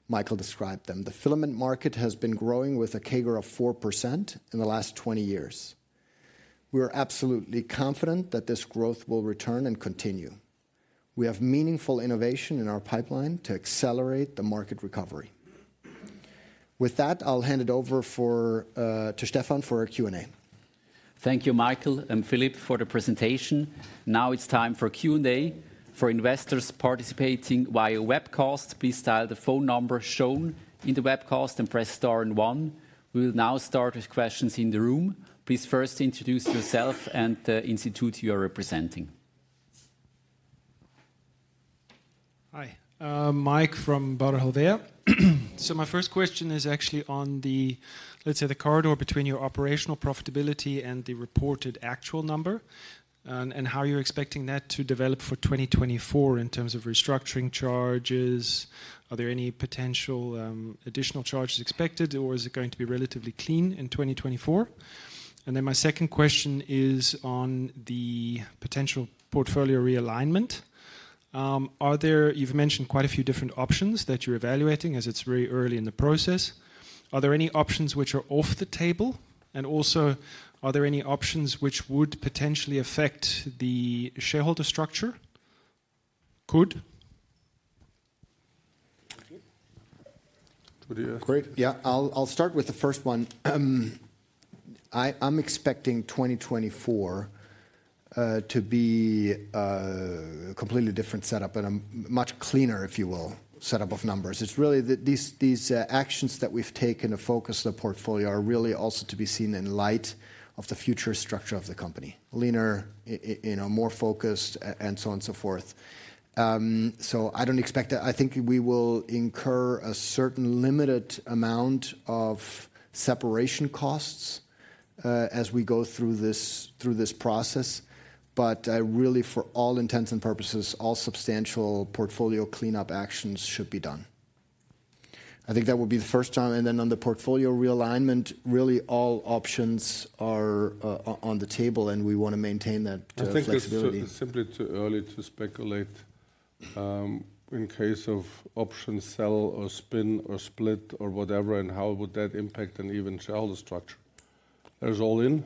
Michael described them. The filament market has been growing with a CAGR of 4% in the last 20 years. We are absolutely confident that this growth will return and continue. We have meaningful innovation in our pipeline to accelerate the market recovery. With that, I'll hand it over to Stephan for our Q&A. Thank you, Michael and Philipp, for the presentation. Now it's time for Q&A for investors participating via webcast. Please dial the phone number shown in the webcast and press star and one. We will now start with questions in the room. Please first introduce yourself and the institute you are representing. Hi, Mike from Baader Helvea. So my first question is actually on the, let's say, the corridor between your operational profitability and the reported actual number and how you're expecting that to develop for 2024 in terms of restructuring charges. Are there any potential additional charges expected, or is it going to be relatively clean in 2024? And then my second question is on the potential portfolio realignment. You've mentioned quite a few different options that you're evaluating as it's very early in the process. Are there any options which are off the table? And also, are there any options which would potentially affect the shareholder structure? Could? Great. Yeah, I'll start with the first one. I'm expecting 2024 to be a completely different setup and a much cleaner, if you will, setup of numbers. It's really that these actions that we've taken to focus the portfolio are really also to be seen in light of the future structure of the company, leaner, more focused, and so on and so forth. So I don't expect that. I think we will incur a certain limited amount of separation costs as we go through this process. But really, for all intents and purposes, all substantial portfolio cleanup actions should be done. I think that would be the first time. And then on the portfolio realignment, really all options are on the table, and we want to maintain that flexibility. I think it's simply too early to speculate in case of options sell or spin or split or whatever, and how would that impact an even shareholder structure? There's all in.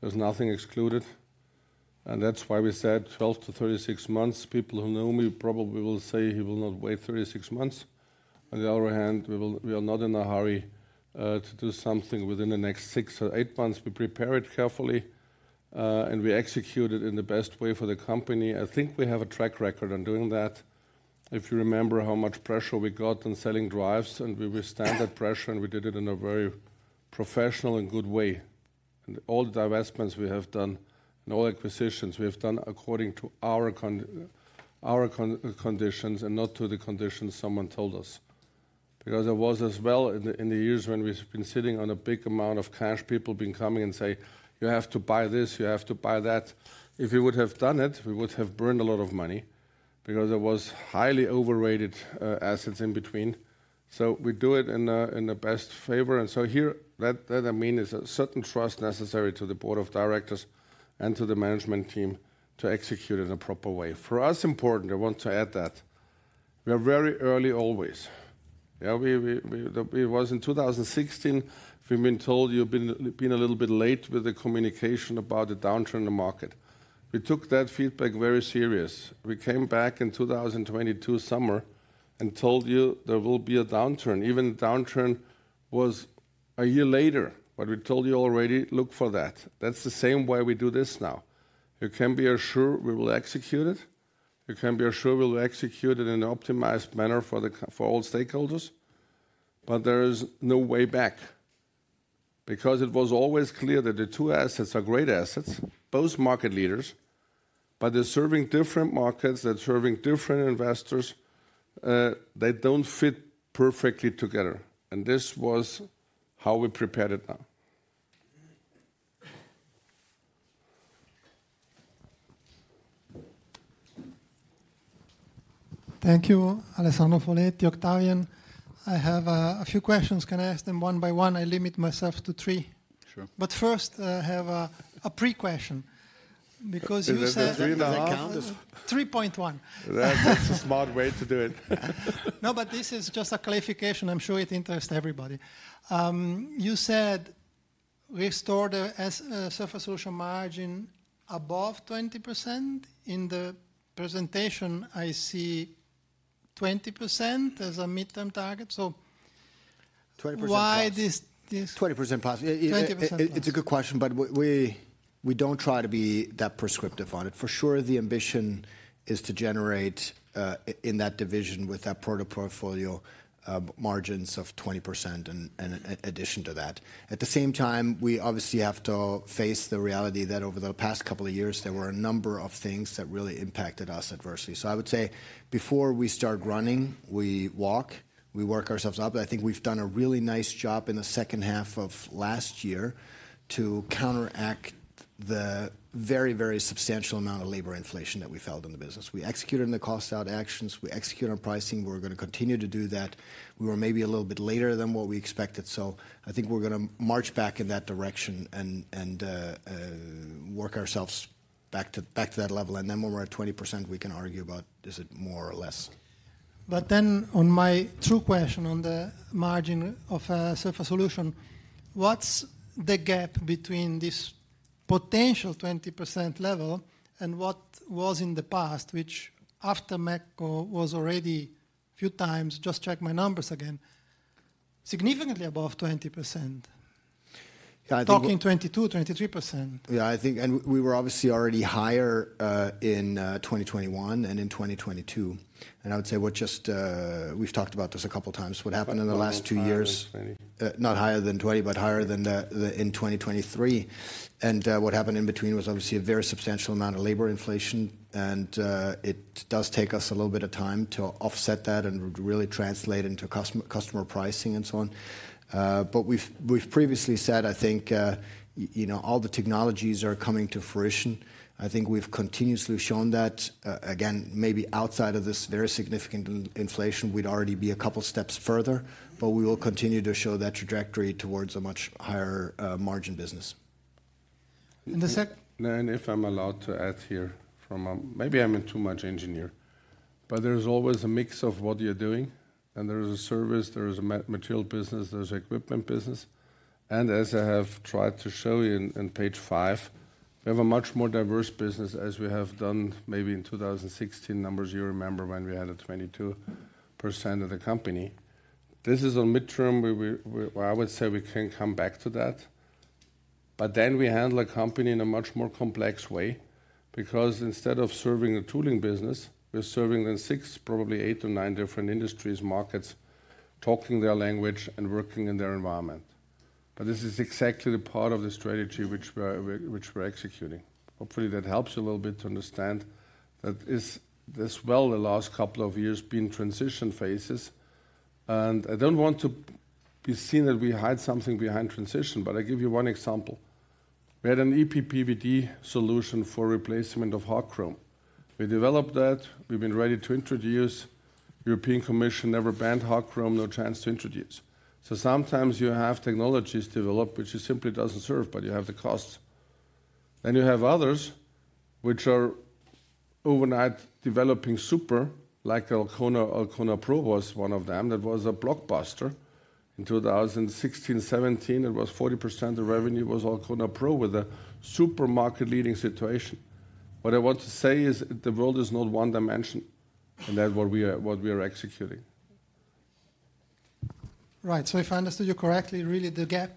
There's nothing excluded. That's why we said 12-36 months. People who know me probably will say he will not wait 36 months. On the other hand, we are not in a hurry to do something within the next six or eight months. We prepared it carefully, and we executed in the best way for the company. I think we have a track record on doing that. If you remember how much pressure we got on selling drives, and we withstand that pressure, and we did it in a very professional and good way. And all the investments we have done and all acquisitions we have done according to our conditions and not to the conditions someone told us. Because there was as well in the years when we've been sitting on a big amount of cash, people being coming and saying, "You have to buy this. You have to buy that." If we would have done it, we would have burned a lot of money because there were highly overrated assets in between. So we do it in the best favor. And so here, what I mean is a certain trust necessary to the board of directors and to the management team to execute in a proper way. For us, important, I want to add that we are very early always. It was in 2016 we've been told you've been a little bit late with the communication about the downturn in the market. We took that feedback very seriously. We came back in 2022 summer and told you there will be a downturn. Even the downturn was a year later, but we told you already, "Look for that." That's the same way we do this now. You can be assured we will execute it. You can be assured we will execute it in an optimized manner for all stakeholders. But there is no way back because it was always clear that the two assets are great assets, both market leaders, but they're serving different markets, they're serving different investors. They don't fit perfectly together. And this was how we prepared it now. Thank you, Alessandro Foletti, Octavian. I have a few questions. Can I ask them one by one? I limit myself to three. But first, I have a pre-question because you said 3.1. That's a smart way to do it. No, but this is just a clarification. I'm sure it interests everybody. You said restore the Surface Solutions margin above 20%. In the presentation, I see 20% as a midterm target. So why this? 20% possible. 20%. It's a good question, but we don't try to be that prescriptive on it. For sure, the ambition is to generate in that division with that portfolio margins of 20% in addition to that. At the same time, we obviously have to face the reality that over the past couple of years, there were a number of things that really impacted us adversely. So I would say before we start running, we walk, we work ourselves up. I think we've done a really nice job in the second half of last year to counteract the very, very substantial amount of labor inflation that we felt in the business. We executed in the cost-out actions. We executed on pricing. We're going to continue to do that. We were maybe a little bit later than what we expected. I think we're going to march back in that direction and work ourselves back to that level. Then when we're at 20%, we can argue about is it more or less. But then on my true question on the margin of Surface Solutions, what's the gap between this potential 20% level and what was in the past, which after Metco was already a few times just check my numbers again, significantly above 20%? Talking 22%-23%. Yeah, I think we were obviously already higher in 2021 and in 2022. I would say what we've just talked about this a couple of times, what happened in the last two years, not higher than 20, but higher than in 2023. What happened in between was obviously a very substantial amount of labor inflation. It does take us a little bit of time to offset that and really translate into customer pricing and so on. But we've previously said, I think all the technologies are coming to fruition. I think we've continuously shown that. Again, maybe outside of this very significant inflation, we'd already be a couple of steps further, but we will continue to show that trajectory towards a much higher margin business. The second. And if I'm allowed to add here from maybe I'm a too much engineer, but there's always a mix of what you're doing. And there is a service, there is a material business, there's an equipment business. And as I have tried to show you on page five, we have a much more diverse business as we have done maybe in 2016 numbers. You remember when we had 22% of the company. This is a midterm where I would say we can come back to that. But then we handle a company in a much more complex way because instead of serving a tooling business, we're serving then six, probably eight or nine different industries, markets, talking their language and working in their environment. But this is exactly the part of the strategy which we're executing. Hopefully, that helps you a little bit to understand that, as well, the last couple of years been transition phases. And I don't want to be seen that we hide something behind transition, but I give you one example. We had an ePD solution for replacement of hard chrome. We developed that. We've been ready to introduce. European Commission never banned hard chrome, no chance to introduce. So sometimes you have technologies developed which simply don't serve, but you have the costs. Then you have others which are overnight developing super, like Alcrona Pro was one of them that was a blockbuster in 2016, 2017. It was 40% of the revenue was Alcrona Pro with a super market-leading situation. What I want to say is the world is not one-dimensional, and that's what we are executing. Right. So if I understood you correctly, really the gap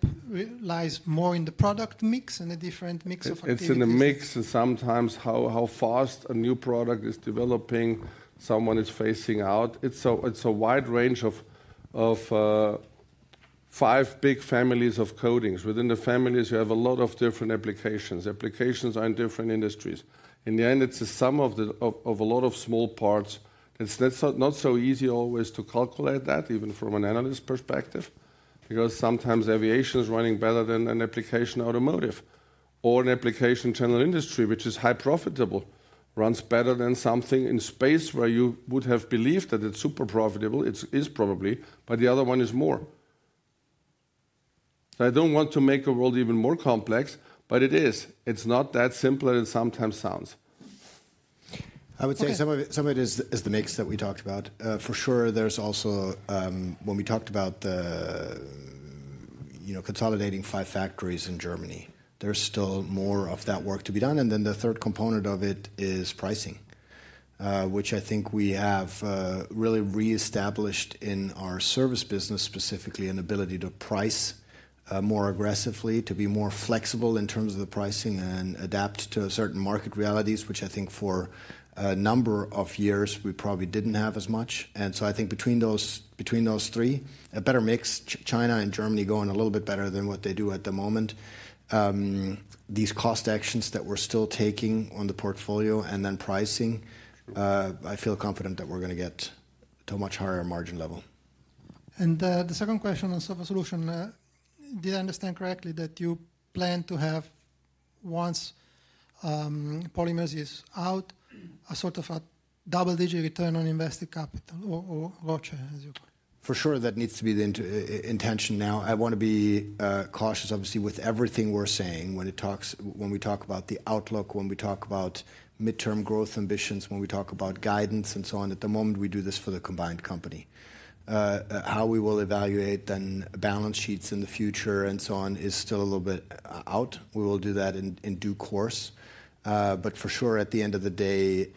lies more in the product mix and a different mix of activities. It's in the mix and sometimes how fast a new product is developing, someone is phasing out. It's a wide range of five big families of coatings. Within the families, you have a lot of different applications. Applications are in different industries. In the end, it's the sum of a lot of small parts. It's not so easy always to calculate that, even from an analyst perspective, because sometimes aviation is running better than an application automotive or an application general industry, which is high profitable, runs better than something in space where you would have believed that it's super profitable. It is probably, but the other one is more. So I don't want to make the world even more complex, but it is. It's not that simple as it sometimes sounds. I would say some of it is the mix that we talked about. For sure, there's also when we talked about consolidating 5 factories in Germany, there's still more of that work to be done. And then the third component of it is pricing, which I think we have really reestablished in our service business, specifically an ability to price more aggressively, to be more flexible in terms of the pricing and adapt to certain market realities, which I think for a number of years, we probably didn't have as much. And so I think between those three, a better mix, China and Germany going a little bit better than what they do at the moment, these cost actions that we're still taking on the portfolio and then pricing, I feel confident that we're going to get to a much higher margin level. The second question on Surface Solutions, did I understand correctly that you plan to have once Polymers is out, a sort of a double-digit return on invested capital or ROCE, as you call it? For sure, that needs to be the intention now. I want to be cautious, obviously, with everything we're saying when we talk about the outlook, when we talk about midterm growth ambitions, when we talk about guidance and so on. At the moment, we do this for the combined company. How we will evaluate then balance sheets in the future and so on is still a little bit out. We will do that in due course. But for sure, at the end of the day,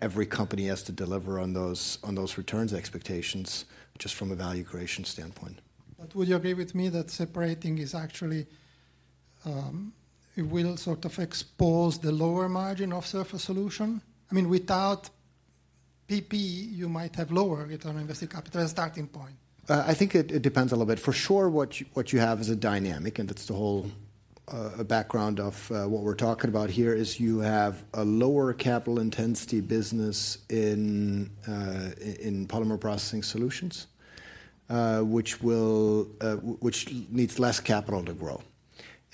every company has to deliver on those returns expectations just from a value creation standpoint. But would you agree with me that separating is actually it will sort of expose the lower margin of Surface Solutions? I mean, without PP, you might have lower return on invested capital, a starting point. I think it depends a little bit. For sure, what you have is a dynamic, and that's the whole background of what we're talking about here is you have a lower capital intensity business in Polymer Processing Solutions, which needs less capital to grow.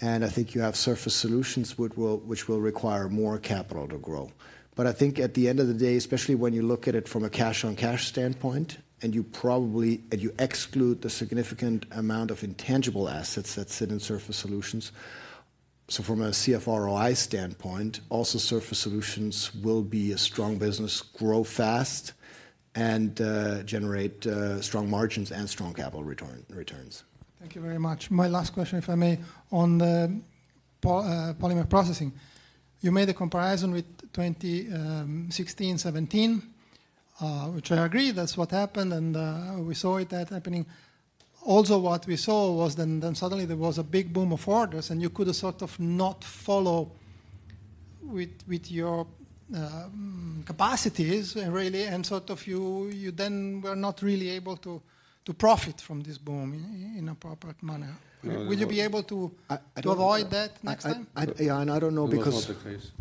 I think you have Surface Solutions, which will require more capital to grow. But I think at the end of the day, especially when you look at it from a cash-on-cash standpoint and you exclude the significant amount of intangible assets that sit in Surface Solutions, so from a CFROI standpoint, also Surface Solutions will be a strong business, grow fast, and generate strong margins and strong capital returns. Thank you very much. My last question, if I may, on the polymer processing. You made a comparison with 2016, 2017, which I agree that's what happened, and we saw it happening. Also, what we saw was then suddenly there was a big boom of orders, and you could sort of not follow with your capacities, really, and sort of you then were not really able to profit from this boom in a proper manner. Would you be able to avoid that next time? Yeah, I don't know because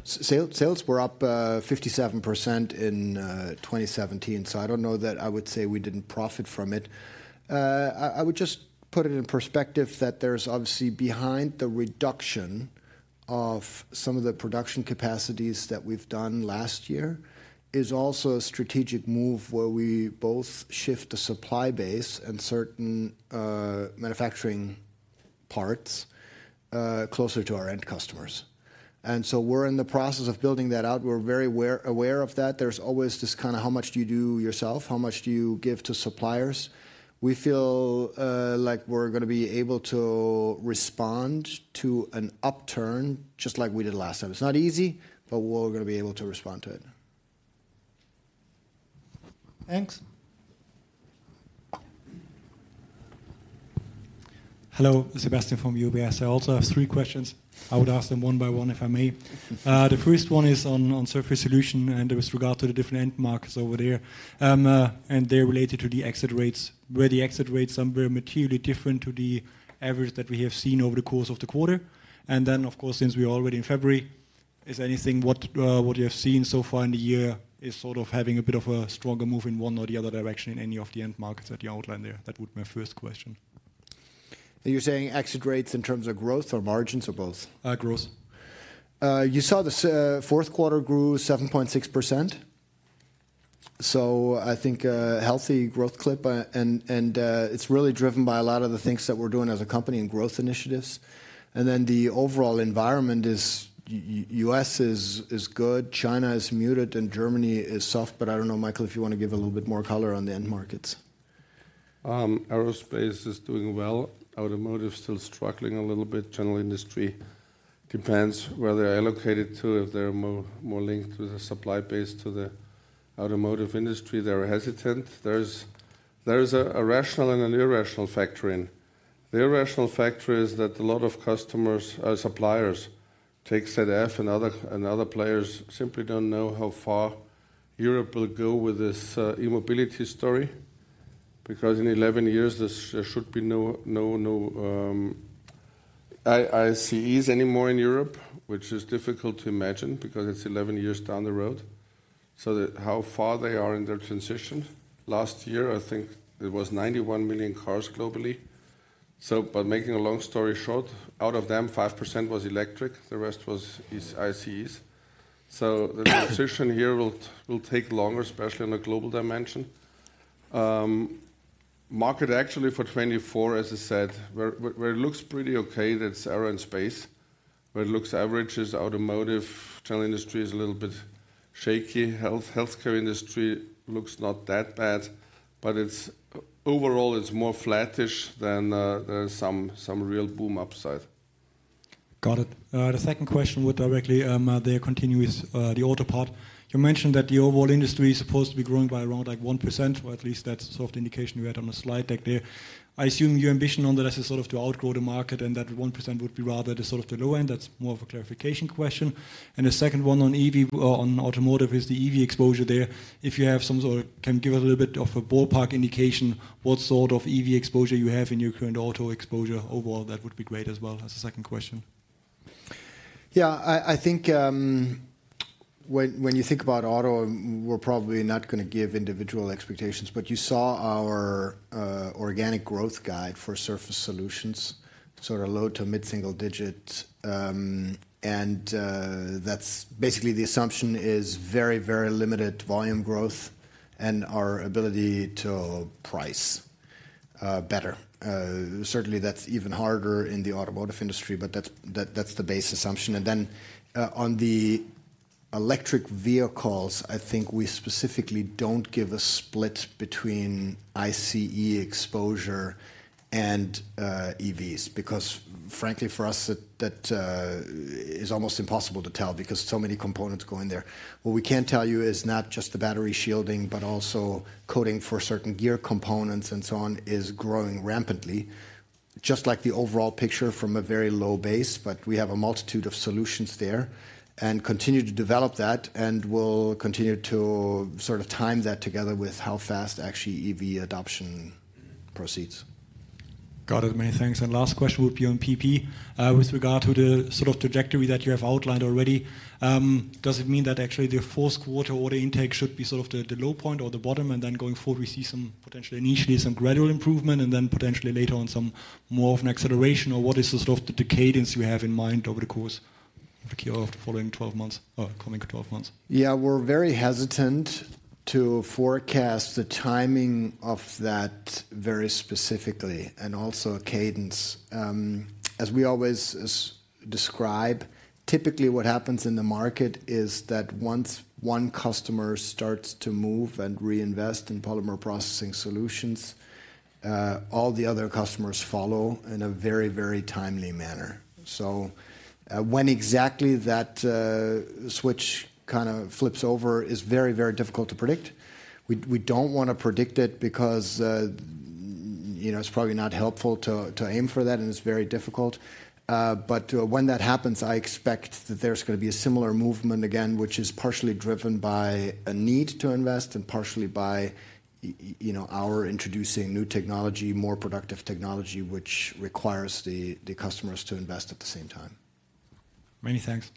sales were up 57% in 2017, so I don't know that I would say we didn't profit from it. I would just put it in perspective that there's obviously, behind the reduction of some of the production capacities that we've done last year, is also a strategic move where we both shift the supply base and certain manufacturing parts closer to our end customers. And so we're in the process of building that out. We're very aware of that. There's always this kind of how much do you do yourself? How much do you give to suppliers? We feel like we're going to be able to respond to an upturn just like we did last time. It's not easy, but we're going to be able to respond to it. Thanks. Hello, Sebastian from UBS. I also have three questions. I would ask them one by one, if I may. The first one is on Surface Solutions and with regard to the different end markets over there, and they're related to the exit rates. Were the exit rates somewhere materially different to the average that we have seen over the course of the quarter? And then, of course, since we are already in February, is anything what you have seen so far in the year is sort of having a bit of a stronger move in one or the other direction in any of the end markets that you outlined there? That would be my first question. You're saying exit rates in terms of growth or margins or both? Growth. You saw the fourth quarter grew 7.6%. So I think a healthy growth clip. And it's really driven by a lot of the things that we're doing as a company and growth initiatives. And then the overall environment is U.S. is good, China is muted, and Germany is soft. But I don't know, Michael, if you want to give a little bit more color on the end markets. Aerospace is doing well. Automotive is still struggling a little bit. General industry depends where they're allocated to, if they're more linked with a supply base to the automotive industry. They're hesitant. There's a rational and an irrational factor in. The irrational factor is that a lot of customers, suppliers, take ZF and other players simply don't know how far Europe will go with this e-mobility story because in 11 years, there should be no ICEs anymore in Europe, which is difficult to imagine because it's 11 years down the road. So how far they are in their transition. Last year, I think it was 91 million cars globally. But making a long story short, out of them, 5% was electric. The rest was ICEs. So the transition here will take longer, especially on a global dimension. Market actually for 2024, as I said, where it looks pretty okay, that's aero and space. Where it looks average is automotive. General industry is a little bit shaky. Healthcare industry looks not that bad. But overall, it's more flattish than there's some real boom upside. Got it. The second question would directly there continue with the auto part. You mentioned that the overall industry is supposed to be growing by around 1%, or at least that's sort of the indication you had on the slide deck there. I assume your ambition on that is sort of to outgrow the market and that 1% would be rather sort of the low end. That's more of a clarification question. And the second one on EV or on automotive is the EV exposure there. If you have some sort of can give us a little bit of a ballpark indication what sort of EV exposure you have in your current auto exposure overall, that would be great as well as a second question. Yeah, I think when you think about auto, we're probably not going to give individual expectations. But you saw our organic growth guide for Surface Solutions, sort of low- to mid-single-digit. And basically, the assumption is very, very limited volume growth and our ability to price better. Certainly, that's even harder in the automotive industry, but that's the base assumption. And then on the electric vehicles, I think we specifically don't give a split between ICE exposure and EVs because, frankly, for us, that is almost impossible to tell because so many components go in there. What we can tell you is not just the battery shielding, but also coating for certain gear components and so on is growing rampantly, just like the overall picture from a very low base. We have a multitude of solutions there and continue to develop that and will continue to sort of time that together with how fast actually EV adoption proceeds. Got it. Many thanks. And last question would be on PP with regard to the sort of trajectory that you have outlined already. Does it mean that actually the fourth quarter order intake should be sort of the low point or the bottom? And then going forward, we see some potentially initially some gradual improvement and then potentially later on some more of an acceleration? Or what is sort of the cadence you have in mind over the course of the following 12 months or coming 12 months? Yeah, we're very hesitant to forecast the timing of that very specifically and also a cadence. As we always describe, typically what happens in the market is that once one customer starts to move and reinvest in polymer processing solutions, all the other customers follow in a very, very timely manner. So when exactly that switch kind of flips over is very, very difficult to predict. We don't want to predict it because it's probably not helpful to aim for that, and it's very difficult. But when that happens, I expect that there's going to be a similar movement again, which is partially driven by a need to invest and partially by our introducing new technology, more productive technology, which requires the customers to invest at the same time. Many thanks.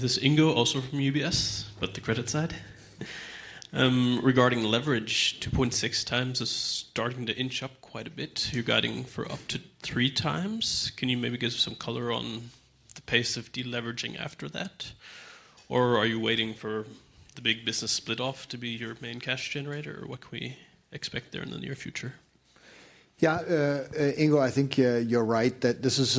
This is Ingo, also from UBS, but the credit side. Regarding leverage, 2.6x is starting to inch up quite a bit. You're guiding for up to 3x. Can you maybe give some color on the pace of deleveraging after that? Or are you waiting for the big business split-off to be your main cash generator? Or what can we expect there in the near future? Yeah, Ingo, I think you're right that this is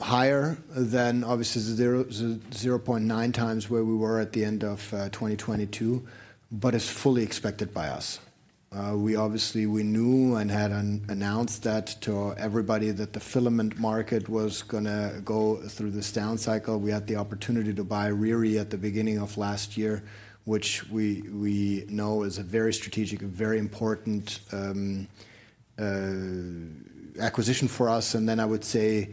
higher than obviously the 0.9 times where we were at the end of 2022, but is fully expected by us. Obviously, we knew and had announced that to everybody that the filament market was going to go through this down cycle. We had the opportunity to buy Riri at the beginning of last year, which we know is a very strategic, very important acquisition for us. And then I would say,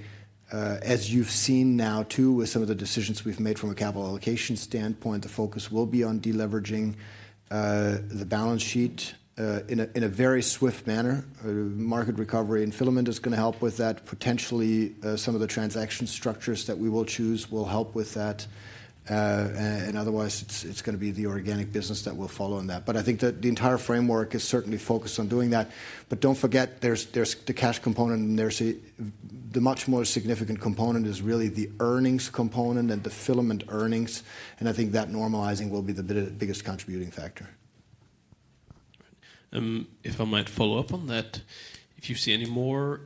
as you've seen now too with some of the decisions we've made from a capital allocation standpoint, the focus will be on deleveraging the balance sheet in a very swift manner. Market recovery in filament is going to help with that. Potentially, some of the transaction structures that we will choose will help with that. And otherwise, it's going to be the organic business that will follow in that. I think that the entire framework is certainly focused on doing that. But don't forget, there's the cash component, and the much more significant component is really the earnings component and the filament earnings. And I think that normalizing will be the biggest contributing factor. If I might follow up on that, if you see any more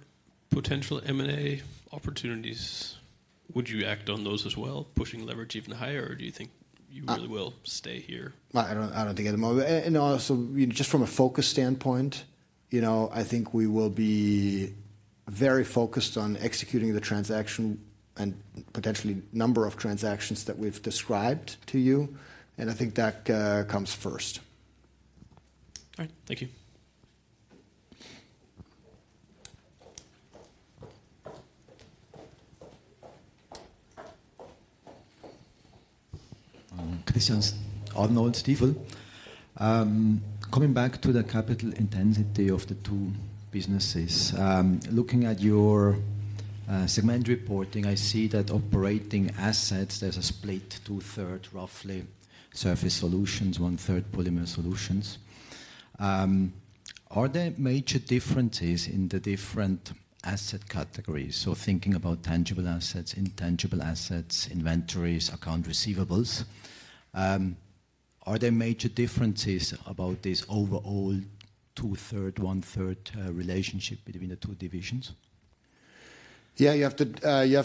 potential M&A opportunities, would you act on those as well, pushing leverage even higher? Or do you think you really will stay here? I don't think at the moment. And also, just from a focus standpoint, I think we will be very focused on executing the transaction and potentially number of transactions that we've described to you. And I think that comes first. All right. Thank you. Christian Arnold, Stifel. Coming back to the capital intensity of the two businesses, looking at your segment reporting, I see that operating assets, there's a split two-thirds, roughly, Surface Solutions, one-third Polymer Solutions. Are there major differences in the different asset categories? So thinking about tangible assets, intangible assets, inventories, accounts receivable. Are there major differences about this overall two-thirds, one-third relationship between the two divisions? Yeah, you have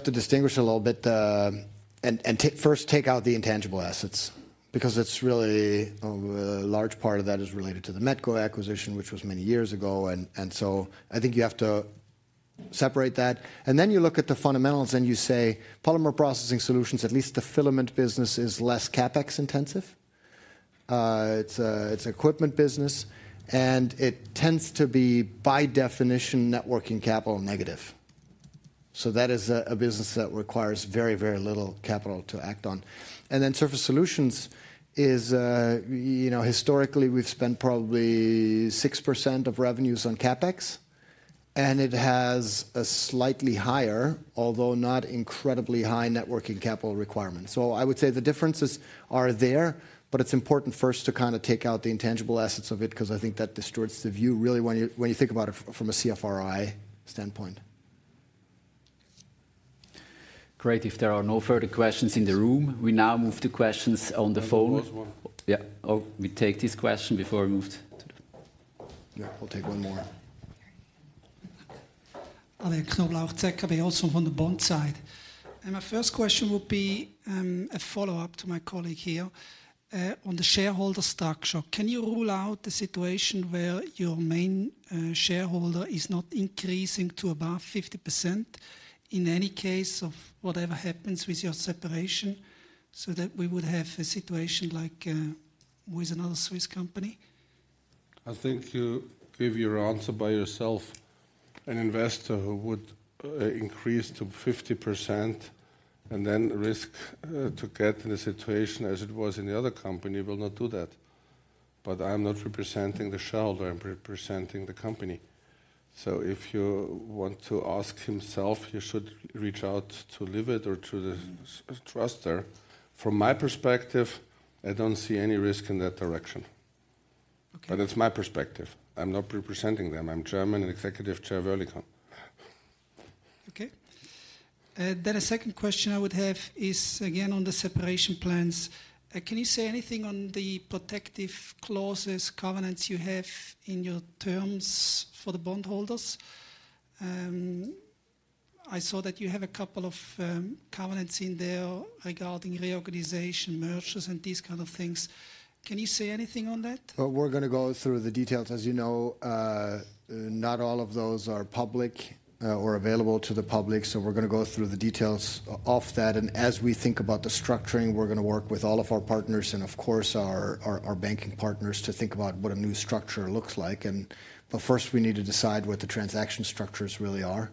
to distinguish a little bit and first take out the intangible assets because a large part of that is related to the Metco acquisition, which was many years ago. And so I think you have to separate that. And then you look at the fundamentals and you say, polymer processing solutions, at least the filament business is less CapEx intensive. It's an equipment business, and it tends to be, by definition, working capital negative. So that is a business that requires very, very little capital to act on. And then Surface Solutions is, historically, we've spent probably 6% of revenues on CapEx, and it has a slightly higher, although not incredibly high, working capital requirement. So I would say the differences are there, but it's important first to kind of take out the intangible assets of it because I think that distorts the view, really, when you think about it from a CFROI standpoint. Great. If there are no further questions in the room, we now move to questions on the phone. Yeah. Oh, we take this question before we move to the. Yeah, we'll take one more. Adrian Knoblauch, ZKB, also from the bond side. My first question would be a follow-up to my colleague here on the shareholder structure. Can you rule out a situation where your main shareholder is not increasing to above 50% in any case of whatever happens with your separation so that we would have a situation like with another Swiss company? I think you give your answer by yourself. An investor who would increase to 50% and then risk to get in a situation as it was in the other company will not do that. But I'm not representing the shareholder. I'm representing the company. So if you want to ask himself, he should reach out to Liwet or to the truster. From my perspective, I don't see any risk in that direction. But it's my perspective. I'm not representing them. I'm German and Executive Chair of Oerlikon. Okay. Then a second question I would have is, again, on the separation plans. Can you say anything on the protective clauses, covenants you have in your terms for the bondholders? I saw that you have a couple of covenants in there regarding reorganization, mergers, and these kind of things. Can you say anything on that? Well, we're going to go through the details. As you know, not all of those are public or available to the public. We're going to go through the details of that. As we think about the structuring, we're going to work with all of our partners and, of course, our banking partners to think about what a new structure looks like. First, we need to decide what the transaction structures really are.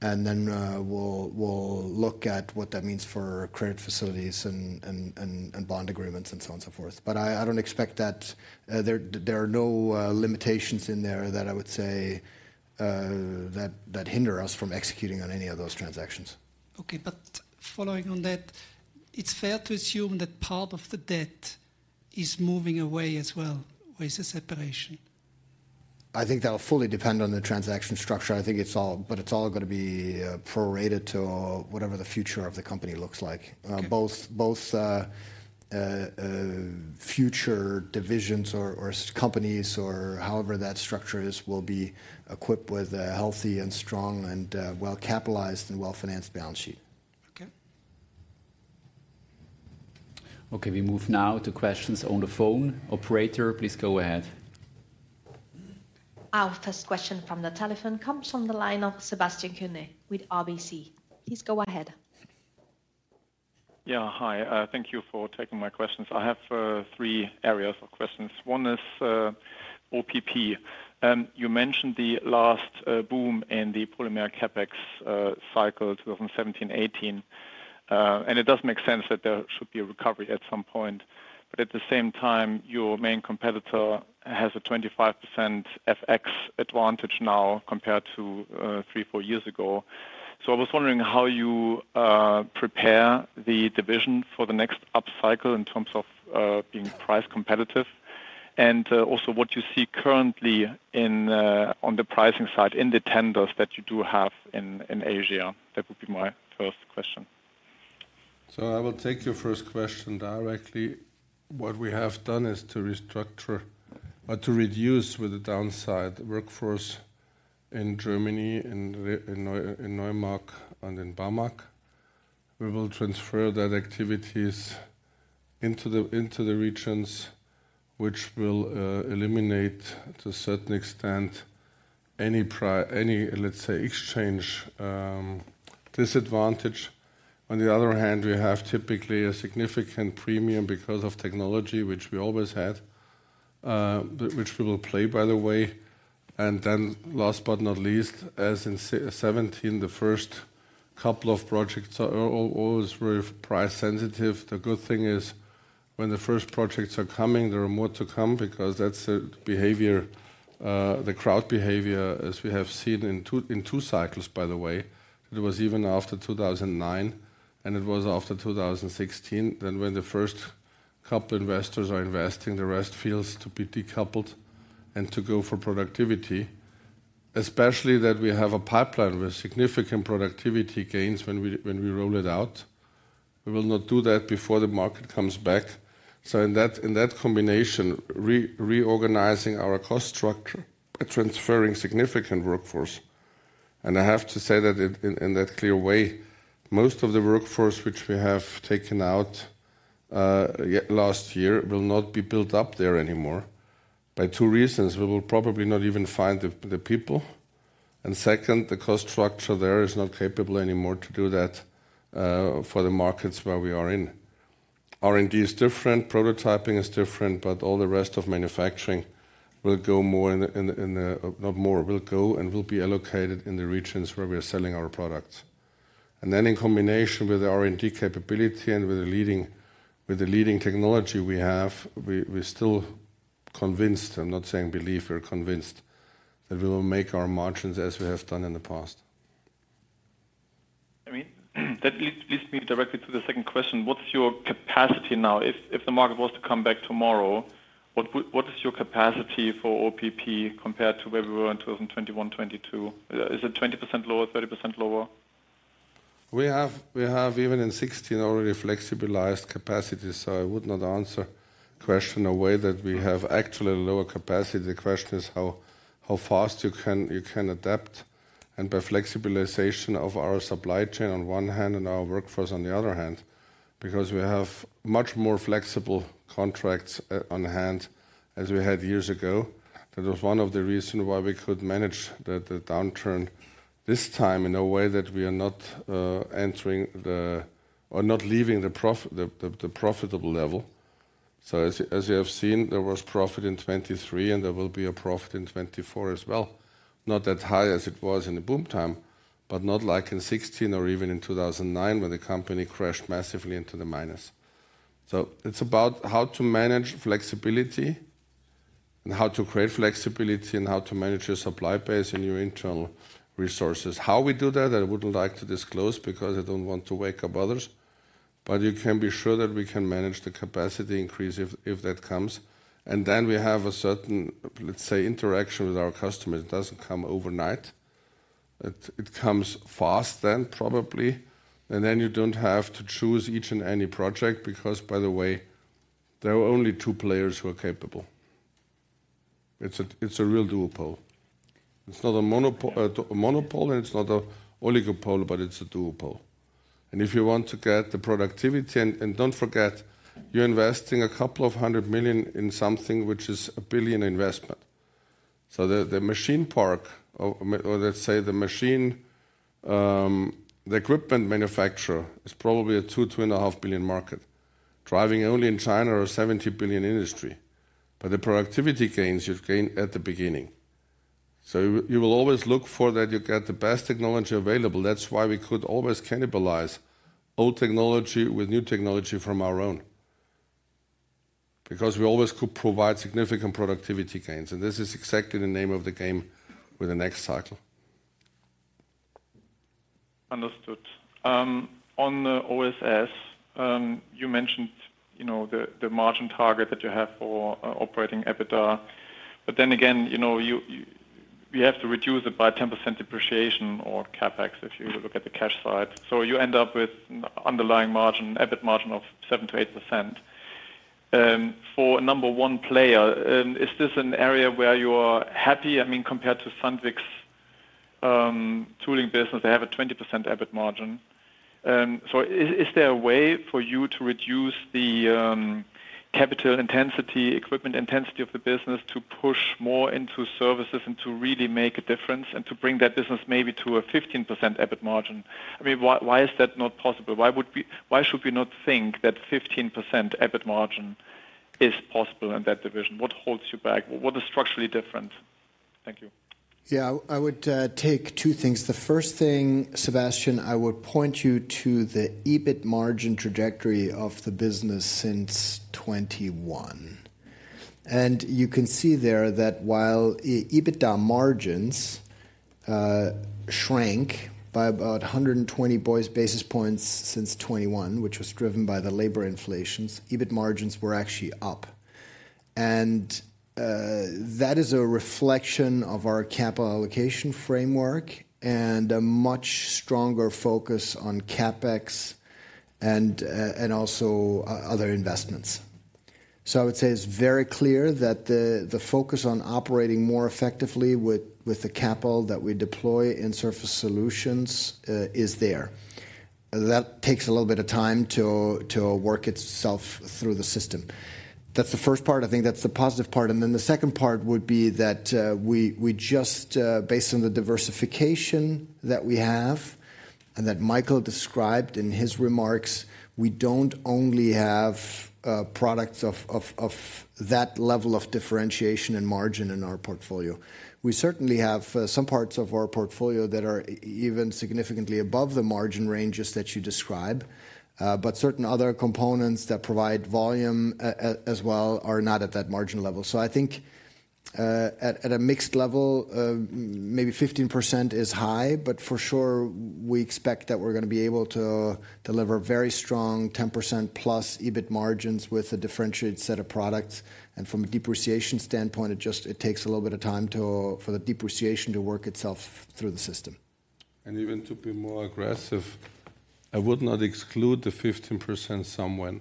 Then we'll look at what that means for credit facilities and bond agreements and so on and so forth. I don't expect that there are no limitations in there that I would say that hinder us from executing on any of those transactions. Okay. But following on that, it's fair to assume that part of the debt is moving away as well with the separation? I think that will fully depend on the transaction structure. But it's all going to be prorated to whatever the future of the company looks like. Both future divisions or companies or however that structure is will be equipped with a healthy and strong and well-capitalized and well-financed balance sheet. Okay. Okay. We move now to questions on the phone. Operator, please go ahead. Our first question from the telephone comes from the line of Sebastian Kuenne with RBC. Please go ahead. Yeah, hi. Thank you for taking my questions. I have three areas of questions. One is OPP. You mentioned the last boom in the polymer CapEx cycle, 2017-18. And it does make sense that there should be a recovery at some point. But at the same time, your main competitor has a 25% FX advantage now compared to three-four years ago. So I was wondering how you prepare the division for the next up cycle in terms of being price competitive and also what you see currently on the pricing side in the tenders that you do have in Asia. That would be my first question. So I will take your first question directly. What we have done is to restructure or to reduce with the downside workforce in Germany, in Neumag, and in Barmag. We will transfer that activities into the regions, which will eliminate, to a certain extent, any, let's say, exchange disadvantage. On the other hand, we have typically a significant premium because of technology, which we always had, which we will play, by the way. And then last but not least, as in 2017, the first couple of projects are always very price-sensitive. The good thing is when the first projects are coming, there are more to come because that's the behavior, the crowd behavior, as we have seen in two cycles, by the way. It was even after 2009, and it was after 2016. Then when the first couple of investors are investing, the rest feels to be decoupled and to go for productivity, especially that we have a pipeline with significant productivity gains when we roll it out. We will not do that before the market comes back. So in that combination, reorganizing our cost structure, transferring significant workforce. And I have to say that in that clear way, most of the workforce which we have taken out last year will not be built up there anymore by two reasons. We will probably not even find the people. And second, the cost structure there is not capable anymore to do that for the markets where we are in. R&D is different. Prototyping is different. But all the rest of manufacturing will go more in the not more, will go and will be allocated in the regions where we are selling our products. And then, in combination with the R&D capability and with the leading technology we have, we're still convinced. I'm not saying believe. We're convinced that we will make our margins as we have done in the past. I mean, that leads me directly to the second question. What's your capacity now? If the market was to come back tomorrow, what is your capacity for OPP compared to where we were in 2021-22? Is it 20% lower, 30% lower? We have, even in 2016, already flexibilized capacity. So I would not answer the question in a way that we have actually lower capacity. The question is how fast you can adapt. And by flexibilization of our supply chain on one hand and our workforce on the other hand because we have much more flexible contracts on hand as we had years ago, that was one of the reasons why we could manage the downturn this time in a way that we are not entering or not leaving the profitable level. So as you have seen, there was profit in 2023, and there will be a profit in 2024 as well. Not that high as it was in the boom time, but not like in 2016 or even in 2009 when the company crashed massively into the minus. So it's about how to manage flexibility and how to create flexibility and how to manage your supply base and your internal resources. How we do that, I wouldn't like to disclose because I don't want to wake up others. But you can be sure that we can manage the capacity increase if that comes. And then we have a certain, let's say, interaction with our customers. It doesn't come overnight. It comes fast then, probably. And then you don't have to choose each and any project because, by the way, there are only two players who are capable. It's a real duopoly. It's not a monopoly, and it's not an oligopoly, but it's a duopoly. And if you want to get the productivity and don't forget, you're investing 200 million in something which is a 1 billion investment. So the machine park or, let's say, the equipment manufacturer is probably a $2 billion-$2.5 billion market, driving only in China a $70 billion industry. But the productivity gains, you gain at the beginning. So you will always look for that you get the best technology available. That's why we could always cannibalize old technology with new technology from our own because we always could provide significant productivity gains. And this is exactly the name of the game with the next cycle. Understood. On the OSS, you mentioned the margin target that you have for operating EBITDA. But then again, we have to reduce it by 10% depreciation or CapEx if you look at the cash side. So you end up with an underlying margin, EBIT margin of 7%-8%. For a number one player, is this an area where you are happy? I mean, compared to Sandvik's tooling business, they have a 20% EBIT margin. So is there a way for you to reduce the capital intensity, equipment intensity of the business to push more into services and to really make a difference and to bring that business maybe to a 15% EBIT margin? I mean, why is that not possible? Why should we not think that 15% EBIT margin is possible in that division? What holds you back? What is structurally different? Thank you. Yeah, I would take two things. The first thing, Sebastian, I would point you to the EBIT margin trajectory of the business since 2021. You can see there that while EBITDA margins shrank by about 120 basis points since 2021, which was driven by the labor inflations, EBIT margins were actually up. That is a reflection of our capital allocation framework and a much stronger focus on CapEx and also other investments. So I would say it's very clear that the focus on operating more effectively with the capital that we deploy in Surface Solutions is there. That takes a little bit of time to work itself through the system. That's the first part. I think that's the positive part. And then the second part would be that we just, based on the diversification that we have and that Michael described in his remarks, we don't only have products of that level of differentiation and margin in our portfolio. We certainly have some parts of our portfolio that are even significantly above the margin ranges that you describe. But certain other components that provide volume as well are not at that margin level. So I think at a mixed level, maybe 15% is high. But for sure, we expect that we're going to be able to deliver very strong 10%+ EBIT margins with a differentiated set of products. And from a depreciation standpoint, it takes a little bit of time for the depreciation to work itself through the system. And even to be more aggressive, I would not exclude the 15% somewhere.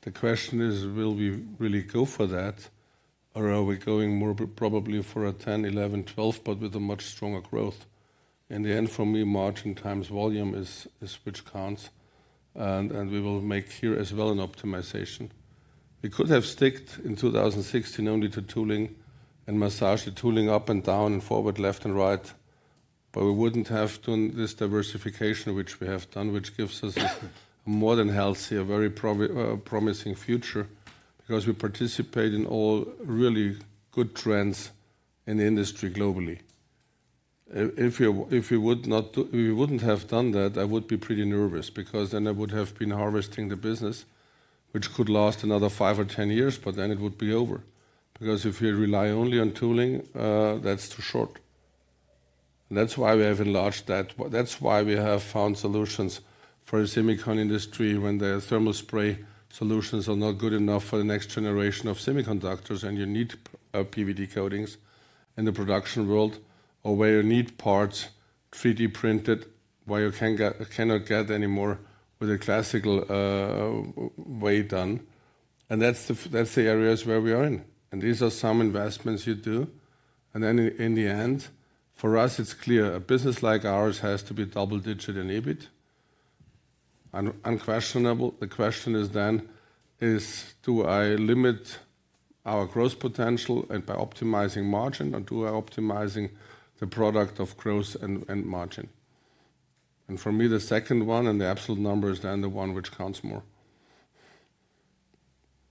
The question is, will we really go for that? Or are we going more probably for a 10%, 11%, 12%, but with a much stronger growth? In the end, for me, margin times volume is which counts. And we will make here as well an optimization. We could have stuck in 2016 only to tooling and massage the tooling up and down and forward, left, and right. But we wouldn't have done this diversification which we have done, which gives us a more than healthy, a very promising future because we participate in all really good trends in the industry globally. If we wouldn't have done that, I would be pretty nervous because then I would have been harvesting the business, which could last another five or 10 years. But then it would be over because if you rely only on tooling, that's too short. And that's why we have enlarged that. That's why we have found solutions for the semiconductor industry when the thermal spray solutions are not good enough for the next generation of semiconductors. And you need PVD coatings in the production world or where you need parts 3D printed where you cannot get anymore with a classical way done. And that's the areas where we are in. And these are some investments you do. And then in the end, for us, it's clear. A business like ours has to be double-digit in EBIT. Unquestionable. The question is then, do I limit our growth potential by optimizing margin, or do I optimizing the product of growth and margin? And for me, the second one and the absolute number is then the one which counts more.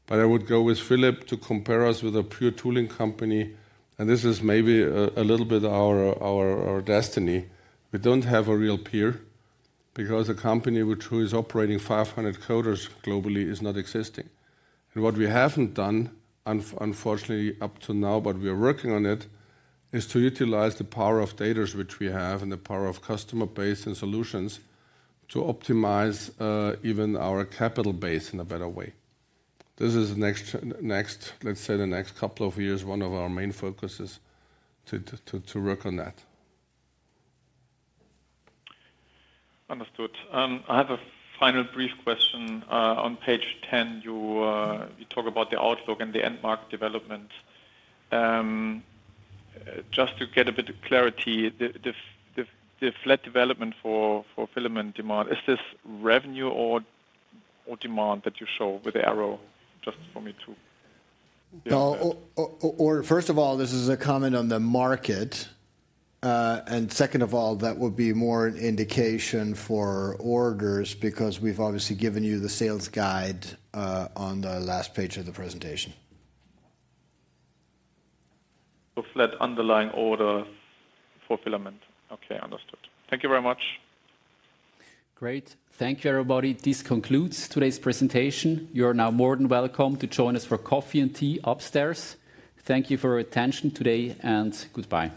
But I would go with Philipp to compare us with a pure tooling company. And this is maybe a little bit our destiny. We don't have a real peer because a company which is operating 500 coaters globally is not existing. And what we haven't done, unfortunately, up to now, but we are working on it, is to utilize the power of Big Data which we have and the power of customer base and solutions to optimize even our capital base in a better way. This is, let's say, the next couple of years, one of our main focuses to work on that. Understood. I have a final brief question. On page 10, you talk about the outlook and the end-market development. Just to get a bit of clarity, the flat development for filament demand, is this revenue or demand that you show with the arrow? Just for me to. No. Or first of all, this is a comment on the market. And second of all, that would be more an indication for orders because we've obviously given you the sales guide on the last page of the presentation. Flat underlying order for filament. Okay. Understood. Thank you very much. Great. Thank you, everybody. This concludes today's presentation. You are now more than welcome to join us for coffee and tea upstairs. Thank you for your attention today, and goodbye.